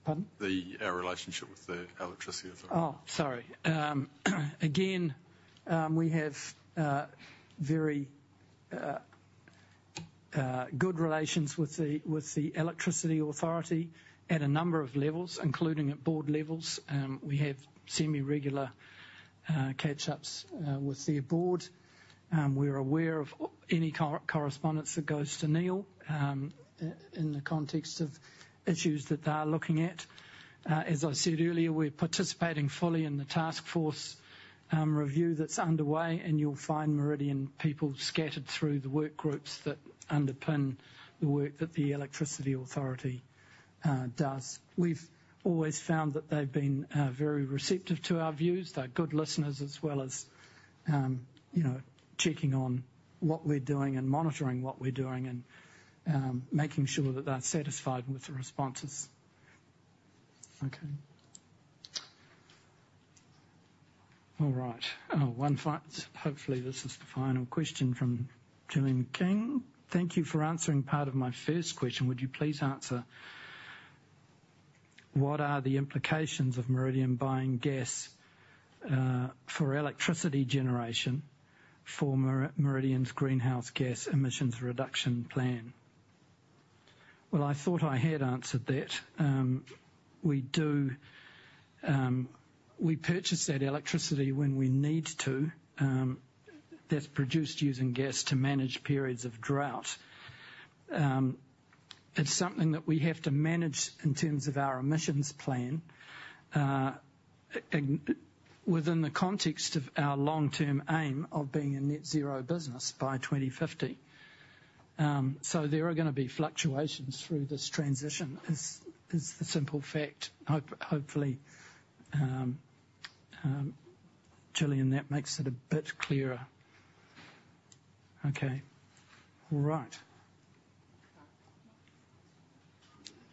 Pardon? The relationship with the Electricity Authority. Oh, sorry. Again, we have very good relations with the Electricity Authority at a number of levels, including at board levels. We have semi-regular catch-ups with their board. We're aware of any correspondence that goes to Neal in the context of issues that they are looking at. As I said earlier, we're participating fully in the task force review that's underway. And you'll find Meridian people scattered through the work groups that underpin the work that the Electricity Authority does. We've always found that they've been very receptive to our views. They're good listeners as well as checking on what we're doing and monitoring what we're doing and making sure that they're satisfied with the responses. Okay. All right. Hopefully, this is the final question from Gillian King. Thank you for answering part of my first question. Would you please answer what are the implications of Meridian buying gas for electricity generation for Meridian's greenhouse gas emissions reduction plan? Well, I thought I had answered that. We purchase that electricity when we need to. That's produced using gas to manage periods of drought. It's something that we have to manage in terms of our emissions plan within the context of our long-term aim of being a net-zero business by 2050. So, there are going to be fluctuations through this transition is the simple fact. Hopefully, Julia, that makes it a bit clearer. Okay. All right.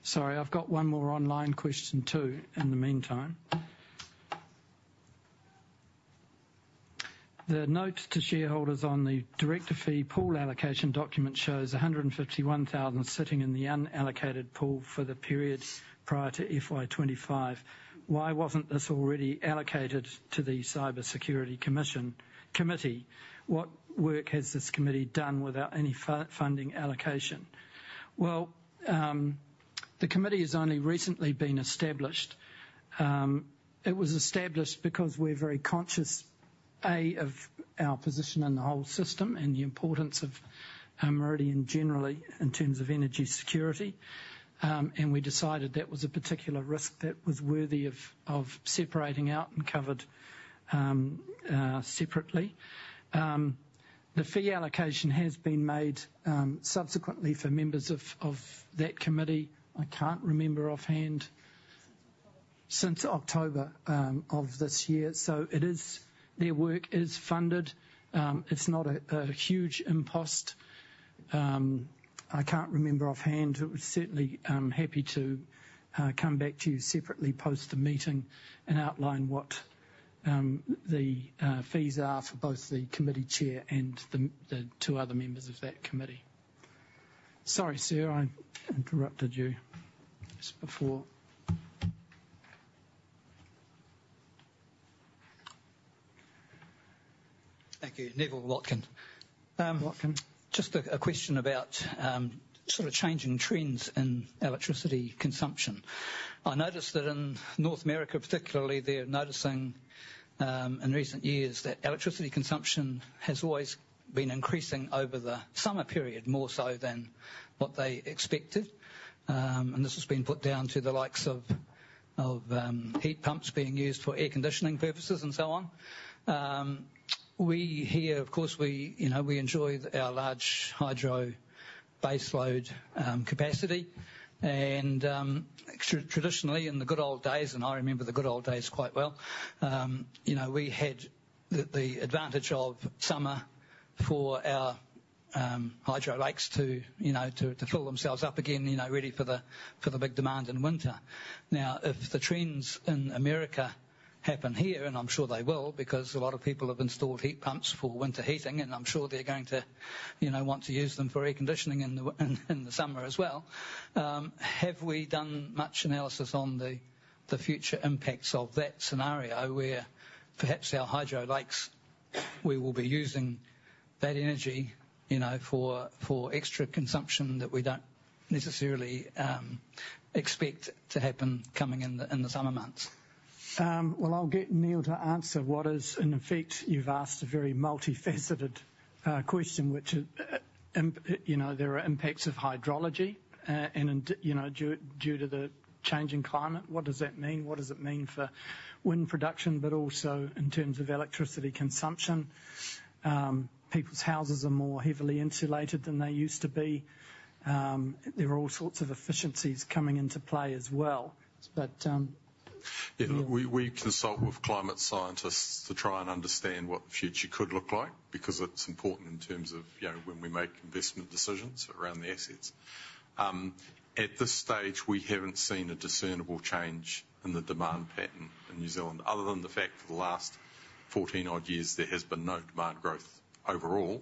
Sorry, I've got one more online question too in the meantime. The note to shareholders on the director fee pool allocation document shows 151,000 sitting in the unallocated pool for the period prior to FY25. Why wasn't this already allocated to the Cybersecurity Committee? What work has this committee done without any funding allocation? Well, the committee has only recently been established. It was established because we're very conscious, A, of our position in the whole system and the importance of Meridian generally in terms of energy security. And we decided that was a particular risk that was worthy of separating out and covered separately. The fee allocation has been made subsequently for members of that committee. I can't remember offhand since October of this year. So, their work is funded. It's not a huge impost. I can't remember offhand. I would certainly be happy to come back to you separately post the meeting and outline what the fees are for both the committee chair and the two other members of that committee. Sorry, sir. I interrupted you just before. Thank you. Neville Watkins. Watkin. Just a question about sort of changing trends in electricity consumption. I noticed that in North America, particularly, they're noticing in recent years that electricity consumption has always been increasing over the summer period more so than what they expected, and this has been put down to the likes of heat pumps being used for air conditioning purposes and so on. We here, of course, we enjoy our large hydro baseload capacity, and traditionally, in the good old days, and I remember the good old days quite well, we had the advantage of summer for our hydro lakes to fill themselves up again, ready for the big demand in winter. Now, if the trends in America happen here, and I'm sure they will because a lot of people have installed heat pumps for winter heating, and I'm sure they're going to want to use them for air conditioning in the summer as well, have we done much analysis on the future impacts of that scenario where perhaps our hydro lakes, we will be using that energy for extra consumption that we don't necessarily expect to happen coming in the summer months? Well, I'll get Neal to answer what is, in effect, you've asked a very multifaceted question, which there are impacts of hydrology. And due to the changing climate, what does that mean? What does it mean for wind production, but also in terms of electricity consumption? People's houses are more heavily insulated than they used to be. There are all sorts of efficiencies coming into play as well. But. Yeah. We consult with climate scientists to try and understand what the future could look like because it's important in terms of when we make investment decisions around the assets. At this stage, we haven't seen a discernible change in the demand pattern in New Zealand other than the fact for the last 14-odd years, there has been no demand growth overall.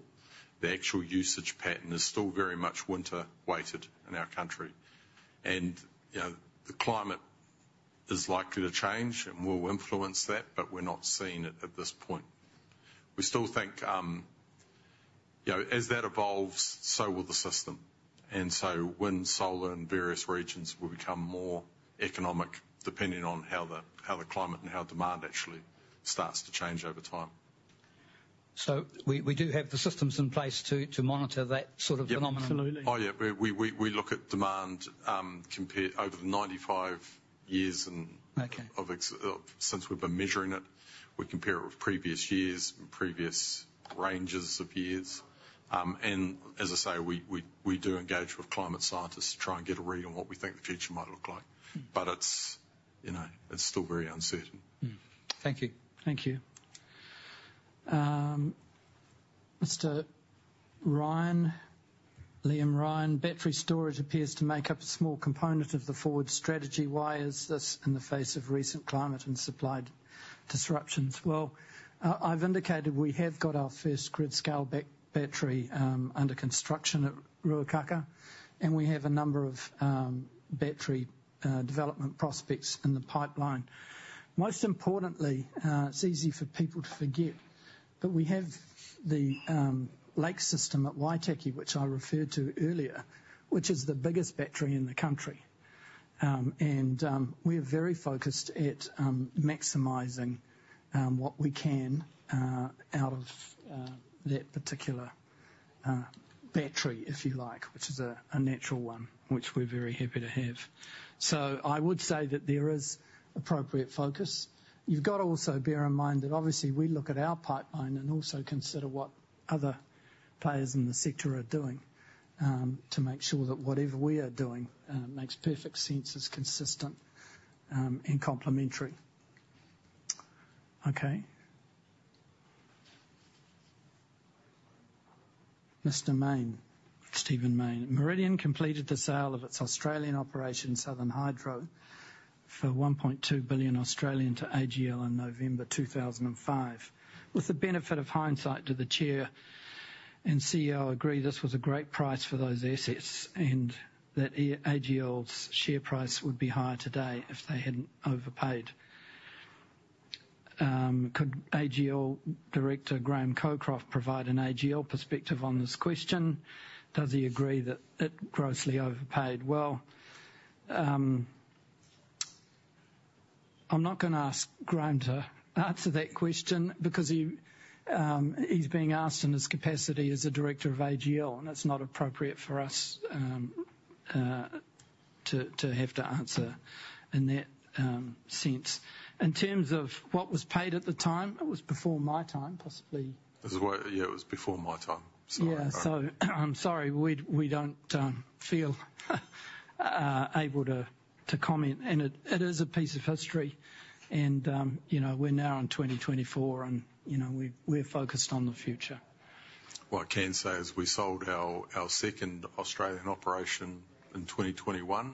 The actual usage pattern is still very much winter-weighted in our country, and the climate is likely to change and will influence that, but we're not seeing it at this point. We still think as that evolves, so will the system, and so, wind, solar, and various regions will become more economic depending on how the climate and how demand actually starts to change over time. We do have the systems in place to monitor that sort of phenomenon? Yeah. Absolutely. Oh, yeah. We look at demand over the 95 years since we've been measuring it. We compare it with previous years and previous ranges of years. And as I say, we do engage with climate scientists to try and get a read on what we think the future might look like. But it's still very uncertain. Thank you. Thank you. Mr. Ryan, Liam Ryan, battery storage appears to make up a small component of the forward strategy. Why is this in the face of recent climate and supply disruptions? I've indicated we have got our first grid-scale battery under construction at Ruakākā. And we have a number of battery development prospects in the pipeline. Most importantly, it's easy for people to forget, but we have the lake system at Waitaki, which I referred to earlier, which is the biggest battery in the country. And we are very focused at maximizing what we can out of that particular battery, if you like, which is a natural one, which we're very happy to have. So, I would say that there is appropriate focus. You've got to also bear in mind that obviously, we look at our pipeline and also consider what other players in the sector are doing to make sure that whatever we are doing makes perfect sense, is consistent, and complementary. Okay. Mr. Mayne, Stephen Mayne. Meridian completed the sale of its Australian operation, Southern Hydro, for 1.2 billion to AGL in November 2005. With the benefit of hindsight, did the chair and CEO agree this was a great price for those assets and that AGL's share price would be higher today if they hadn't overpaid? Could AGL director Graham Cockcroft provide an AGL perspective on this question? Does he agree that it grossly overpaid? Well, I'm not going to ask Graham to answer that question because he's being asked in his capacity as a director of AGL. It's not appropriate for us to have to answer in that sense. In terms of what was paid at the time, it was before my time, possibly. Yeah, it was before my time. Yeah. So, I'm sorry. We don't feel able to comment. And it is a piece of history. And we're now in 2024, and we're focused on the future. What I can say is we sold our second Australian operation in 2021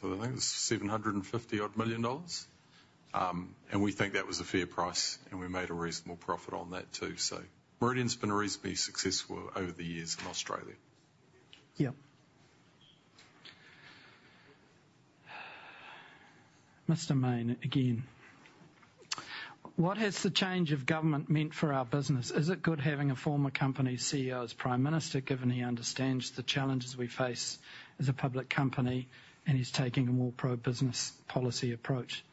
for, I think, it was 750-odd million dollars. And we think that was a fair price. And we made a reasonable profit on that too. So, Meridian's been reasonably successful over the years in Australia. Yeah. Mr. Mayne, again. What has the change of government meant for our business? Is it good having a former company's CEO as Prime Minister, given he understands the challenges we face as a public company and he's taking a more pro-business policy approach?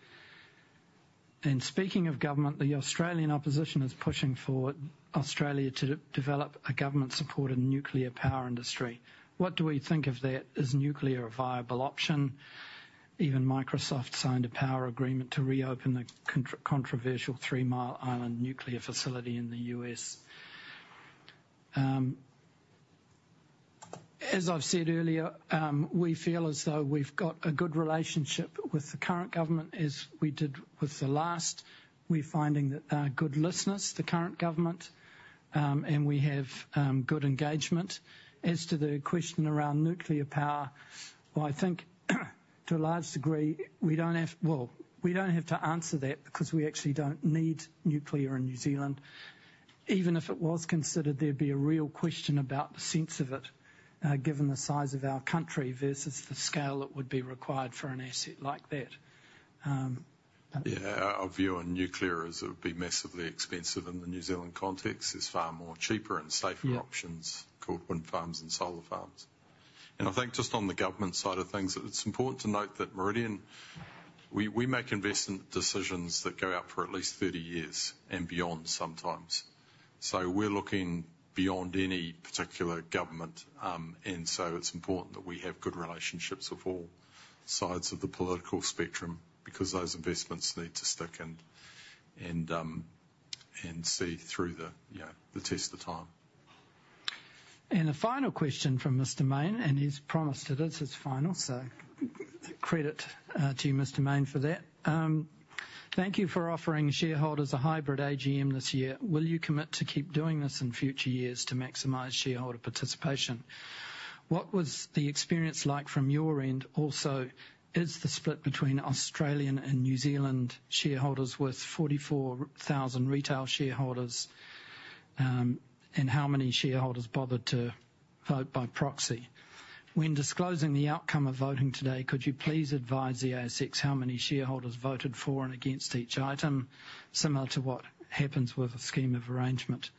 And speaking of government, the Australian opposition is p ushing for Australia to develop a government-supported nuclear power industry. What do we think of that? Is nuclear a viable option? Even Microsoft signed a power agreement to reopen the controversial Three Mile Island nuclear facility in the U.S. As I've said earlier, we feel as though we've got a good relationship with the current government as we did with the last. We're finding that they're good listeners, the current government. And we have good engagement. As to the question around nuclear power, well, I think to a large degree, we don't have to answer that because we actually don't need nuclear in New Zealand. Even if it was considered, there'd be a real question about the sense of it, given the size of our country versus the scale that would be required for an asset like that. Yeah. Our view on nuclear is it would be massively expensive in the New Zealand context. It's far more cheaper and safer options called wind farms and solar farms. And I think just on the government side of things, it's important to note that Meridian, we make investment decisions that go out for at least 30 years and beyond sometimes. So, we're looking beyond any particular government. And so, it's important that we have good relationships with all sides of the political spectrum because those investments need to stick and see through the test of time. And a final question from Mr. Mayne. And he's promised it is his final, so credit to you, Mr. Mayne, for that. Thank you for offering shareholders a hybrid AGM this year. Will you commit to keep doing this in future years to maximize shareholder participation? What was the experience like from your end? Also, is the split between Australian and New Zealand shareholders worth 44,000 retail shareholders? And how many shareholders bothered to vote by proxy? When disclosing the outcome of voting today, could you please advise the ASX how many shareholders voted for and against each item, similar to what happens with a scheme of arrangement?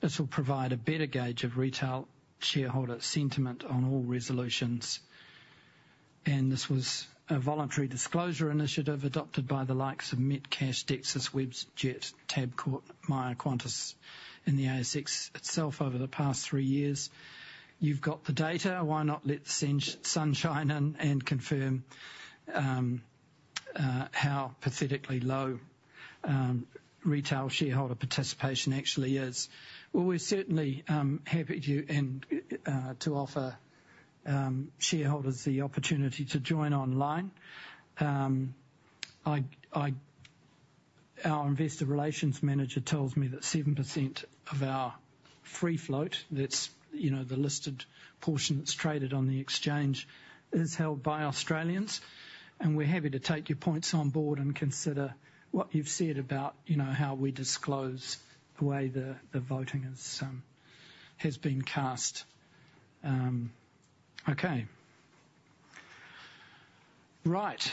This will provide a better gauge of retail shareholder sentiment on all resolutions. And this was a voluntary disclosure initiative adopted by the likes of Metcash, Dexus, Webjet, Tabcorp, Myer, Qantas in the ASX itself over the past three years. You've got the data. Why not let the sunshine in and confirm how pathetically low retail shareholder participation actually is? Well, we're certainly happy to offer shareholders the opportunity to join online. Our investor relations manager tells me that 7% of our free float, that's the listed portion that's traded on the exchange, is held by Australians. And we're happy to take your points on board and consider what you've said about how we disclose the way the voting has been cast. Okay. Right.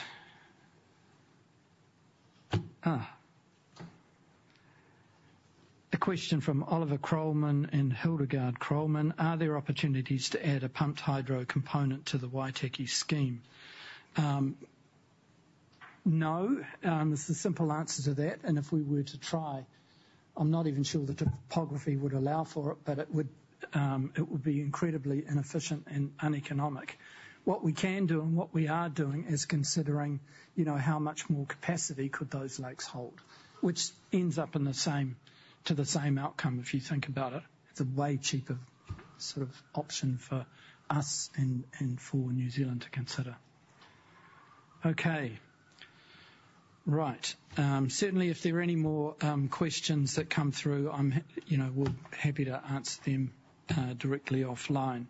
A question from Oliver Krollman and Hildegard Krollman. Are there opportunities to add a pumped hydro component to the Waitaki scheme? No. There's a simple answer to that. And if we were to try, I'm not even sure the topography would allow for it, but it would be incredibly inefficient and uneconomic. What we can do and what we are doing is considering how much more capacity could those lakes hold, which ends up to the same outcome if you think about it. It's a way cheaper sort of option for us and for New Zealand to consider. Okay. Right. Certainly, if there are any more questions that come through, we're happy to answer them directly offline.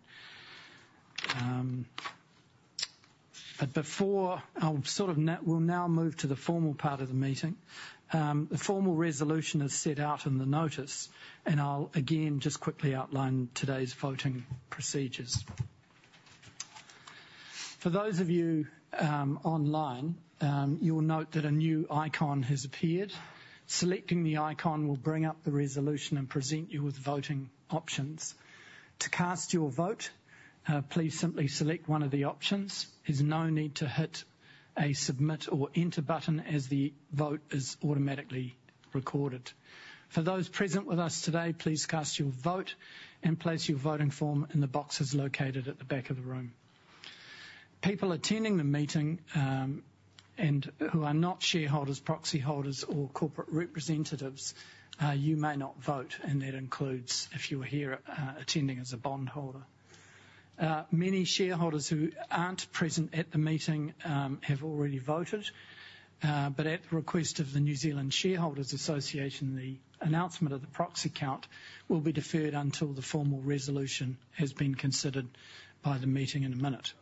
But before, I'll sort of now we'll move to the formal part of the meeting. The formal resolution is set out in the notice. And I'll again just quickly outline today's voting procedures. For those of you online, you'll note that a new icon has appeared. Selecting the icon will bring up the resolution and present you with voting options. To cast your vote, please simply select one of the options. There's no need to hit a submit or enter button as the vote is automatically recorded. For those present with us today, please cast your vote and place your voting form in the boxes located at the back of the room. People attending the meeting and who are not shareholders, proxy holders, or corporate representatives, you may not vote, and that includes if you were here attending as a bondholder. Many shareholders who aren't present at the meeting have already voted, but at the request of the New Zealand Shareholders Association, the announcement of the proxy count will be deferred until the formal resolution has been considered by the meeting in a minute.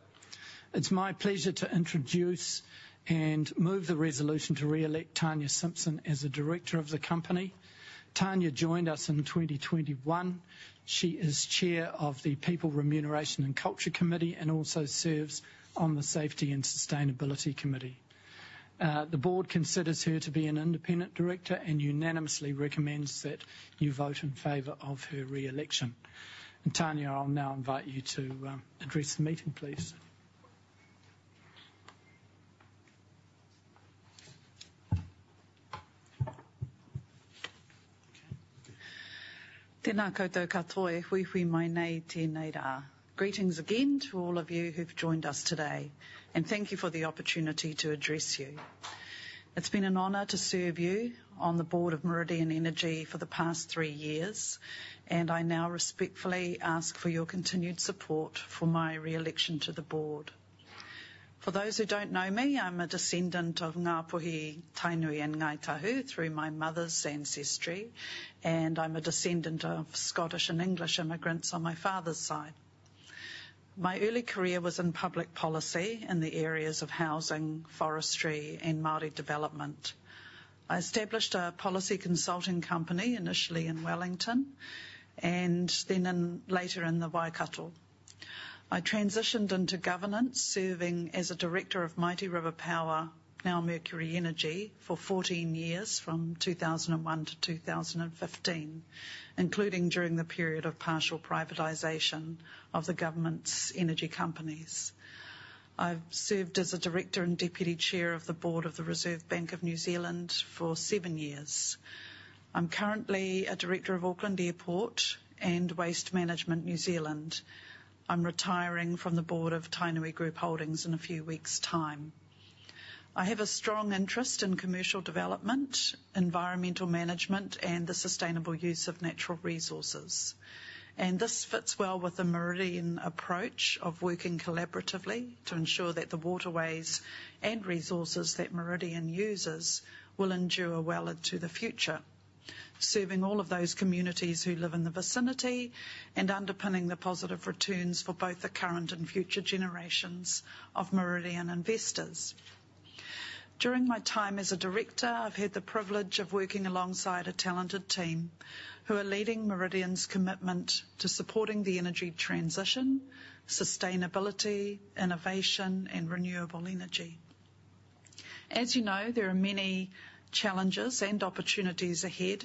It's my pleasure to introduce and move the resolution to re-elect Tania Simpson as a director of the company. Tania joined us in 2021. She is chair of the People Remuneration and Culture Committee and also serves on the Safety and Sustainability Committee. The board considers her to be an independent director and unanimously recommends that you vote in favor of her re-election. And Tania, I'll now invite you to address the meeting, please. Tēnā koutou katoa. Weiwei Mainei te naira. Greetings again to all of you who've joined us today, and thank you for the opportunity to address you. It's been an honor to serve you on the board of Meridian Energy for the past three years, and I now respectfully ask for your continued support for my re-election to the board. For those who don't know me, I'm a descendant of Ngāpuhi, Tainui, and Ngāi Tahu through my mother's ancestry, and I'm a descendant of Scottish and English immigrants on my father's side. My early career was in public policy in the areas of housing, forestry, and Māori development. I established a policy consulting company initially in Wellington and then later in the Waikato. I transitioned into governance, serving as a director of Mighty River Power, now Mercury Energy, for 14 years from 2001 to 2015, including during the period of partial privatization of the government's energy companies. I've served as a director and deputy chair of the board of the Reserve Bank of New Zealand for seven years. I'm currently a director of Auckland Airport and Waste Management New Zealand. I'm retiring from the board of Tainui Group Holdings in a few weeks' time. I have a strong interest in commercial development, environmental management, and the sustainable use of natural resources, and this fits well with the Meridian approach of working collaboratively to ensure that the waterways and resources that Meridian uses will endure well into the future, serving all of those communities who live in the vicinity and underpinning the positive returns for both the current and future generations of Meridian investors. During my time as a director, I've had the privilege of working alongside a talented team who are leading Meridian's commitment to supporting the energy transition, sustainability, innovation, and renewable energy. As you know, there are many challenges and opportunities ahead,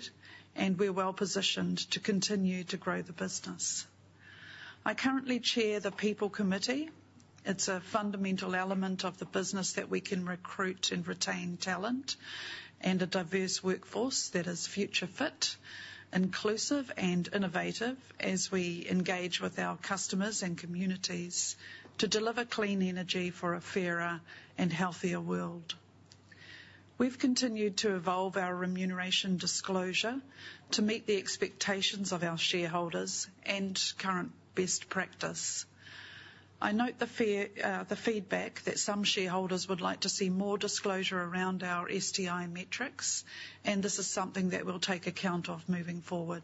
and we're well positioned to continue to grow the business. I currently chair the People Committee. It's a fundamental element of the business that we can recruit and retain talent and a diverse workforce that is future-fit, inclusive, and innovative as we engage with our customers and communities to deliver clean energy for a fairer and healthier world. We've continued to evolve our remuneration disclosure to meet the expectations of our shareholders and current best practice. I note the feedback that some shareholders would like to see more disclosure around our STI metrics. And this is something that we'll take account of moving forward.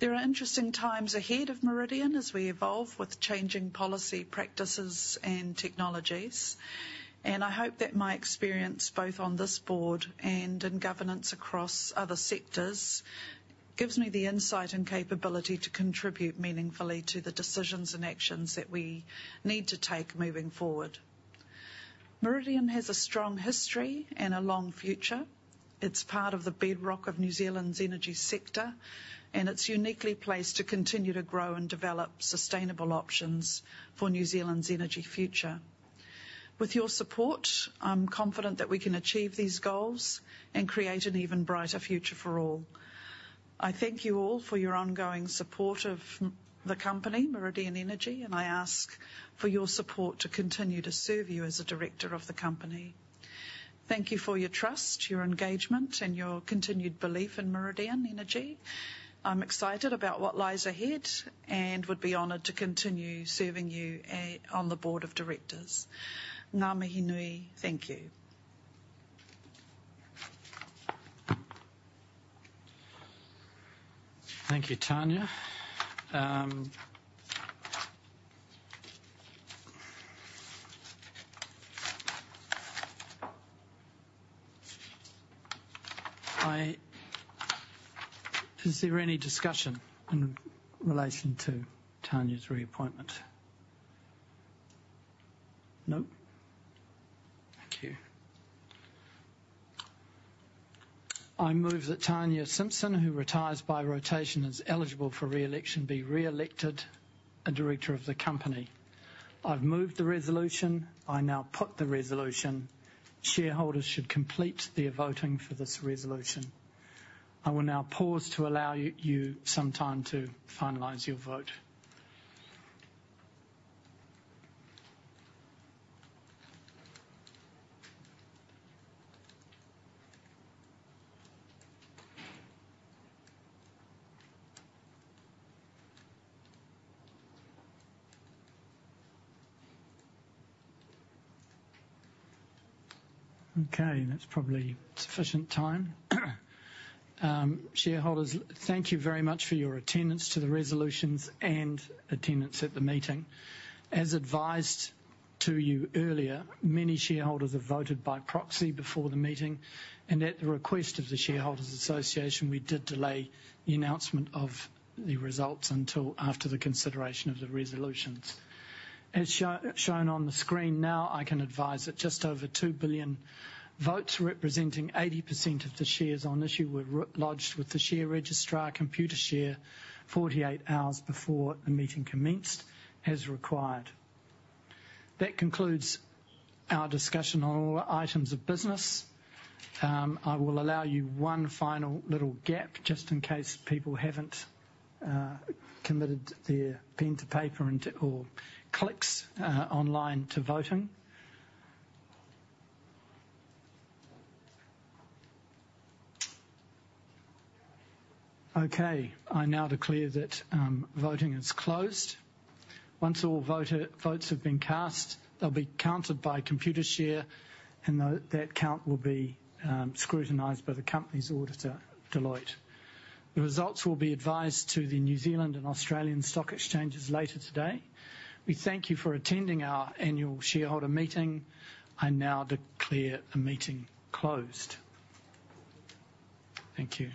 There are interesting times ahead of Meridian as we evolve with changing policy practices and technologies. I hope that my experience both on this board and in governance across other sectors gives me the insight and capability to contribute meaningfully to the decisions and actions that we need to take moving forward. Meridian has a strong history and a long future. It's part of the bedrock of New Zealand's energy sector. It's uniquely placed to continue to grow and develop sustainable options for New Zealand's energy future. With your support, I'm confident that we can achieve these goals and create an even brighter future for all. I thank you all for your ongoing support of the company, Meridian Energy, and I ask for your support to continue to serve you as a director of the company. Thank you for your trust, your engagement, and your continued belief in Meridian Energy. I'm excited about what lies ahead and would be honored to continue serving you on the board of directors. Ngā mihi nui. Thank you. Thank you, Tania. Is there any discussion in relation to Tania's reappointment? Nope? Thank you. I move that Tania Simpson, who retires by rotation and is eligible for re-election, be re-elected a director of the company. I've moved the resolution. I now put the resolution. Shareholders should complete their voting for this resolution. I will now pause to allow you some time to finalize your vote. Okay. That's probably sufficient time. Shareholders, thank you very much for your attendance to the resolutions and attendance at the meeting. As advised to you earlier, many shareholders have voted by proxy before the meeting, and at the request of the Shareholders Association, we did delay the announcement of the results until after the consideration of the resolutions. As shown on the screen now, I can advise that just over two billion votes, representing 80% of the shares on issue, were lodged with the share registrar Computershare 48 hours before the meeting commenced as required. That concludes our discussion on all items of business. I will allow you one final little gap just in case people haven't committed their pen to paper or clicks online to voting. Okay. I now declare that voting is closed. Once all votes have been cast, they'll be counted by Computershare, and that count will be scrutinized by the company's auditor, Deloitte. The results will be advised to the New Zealand and Australian stock exchanges later today. We thank you for attending our annual shareholder meeting. I now declare the meeting closed. Thank you.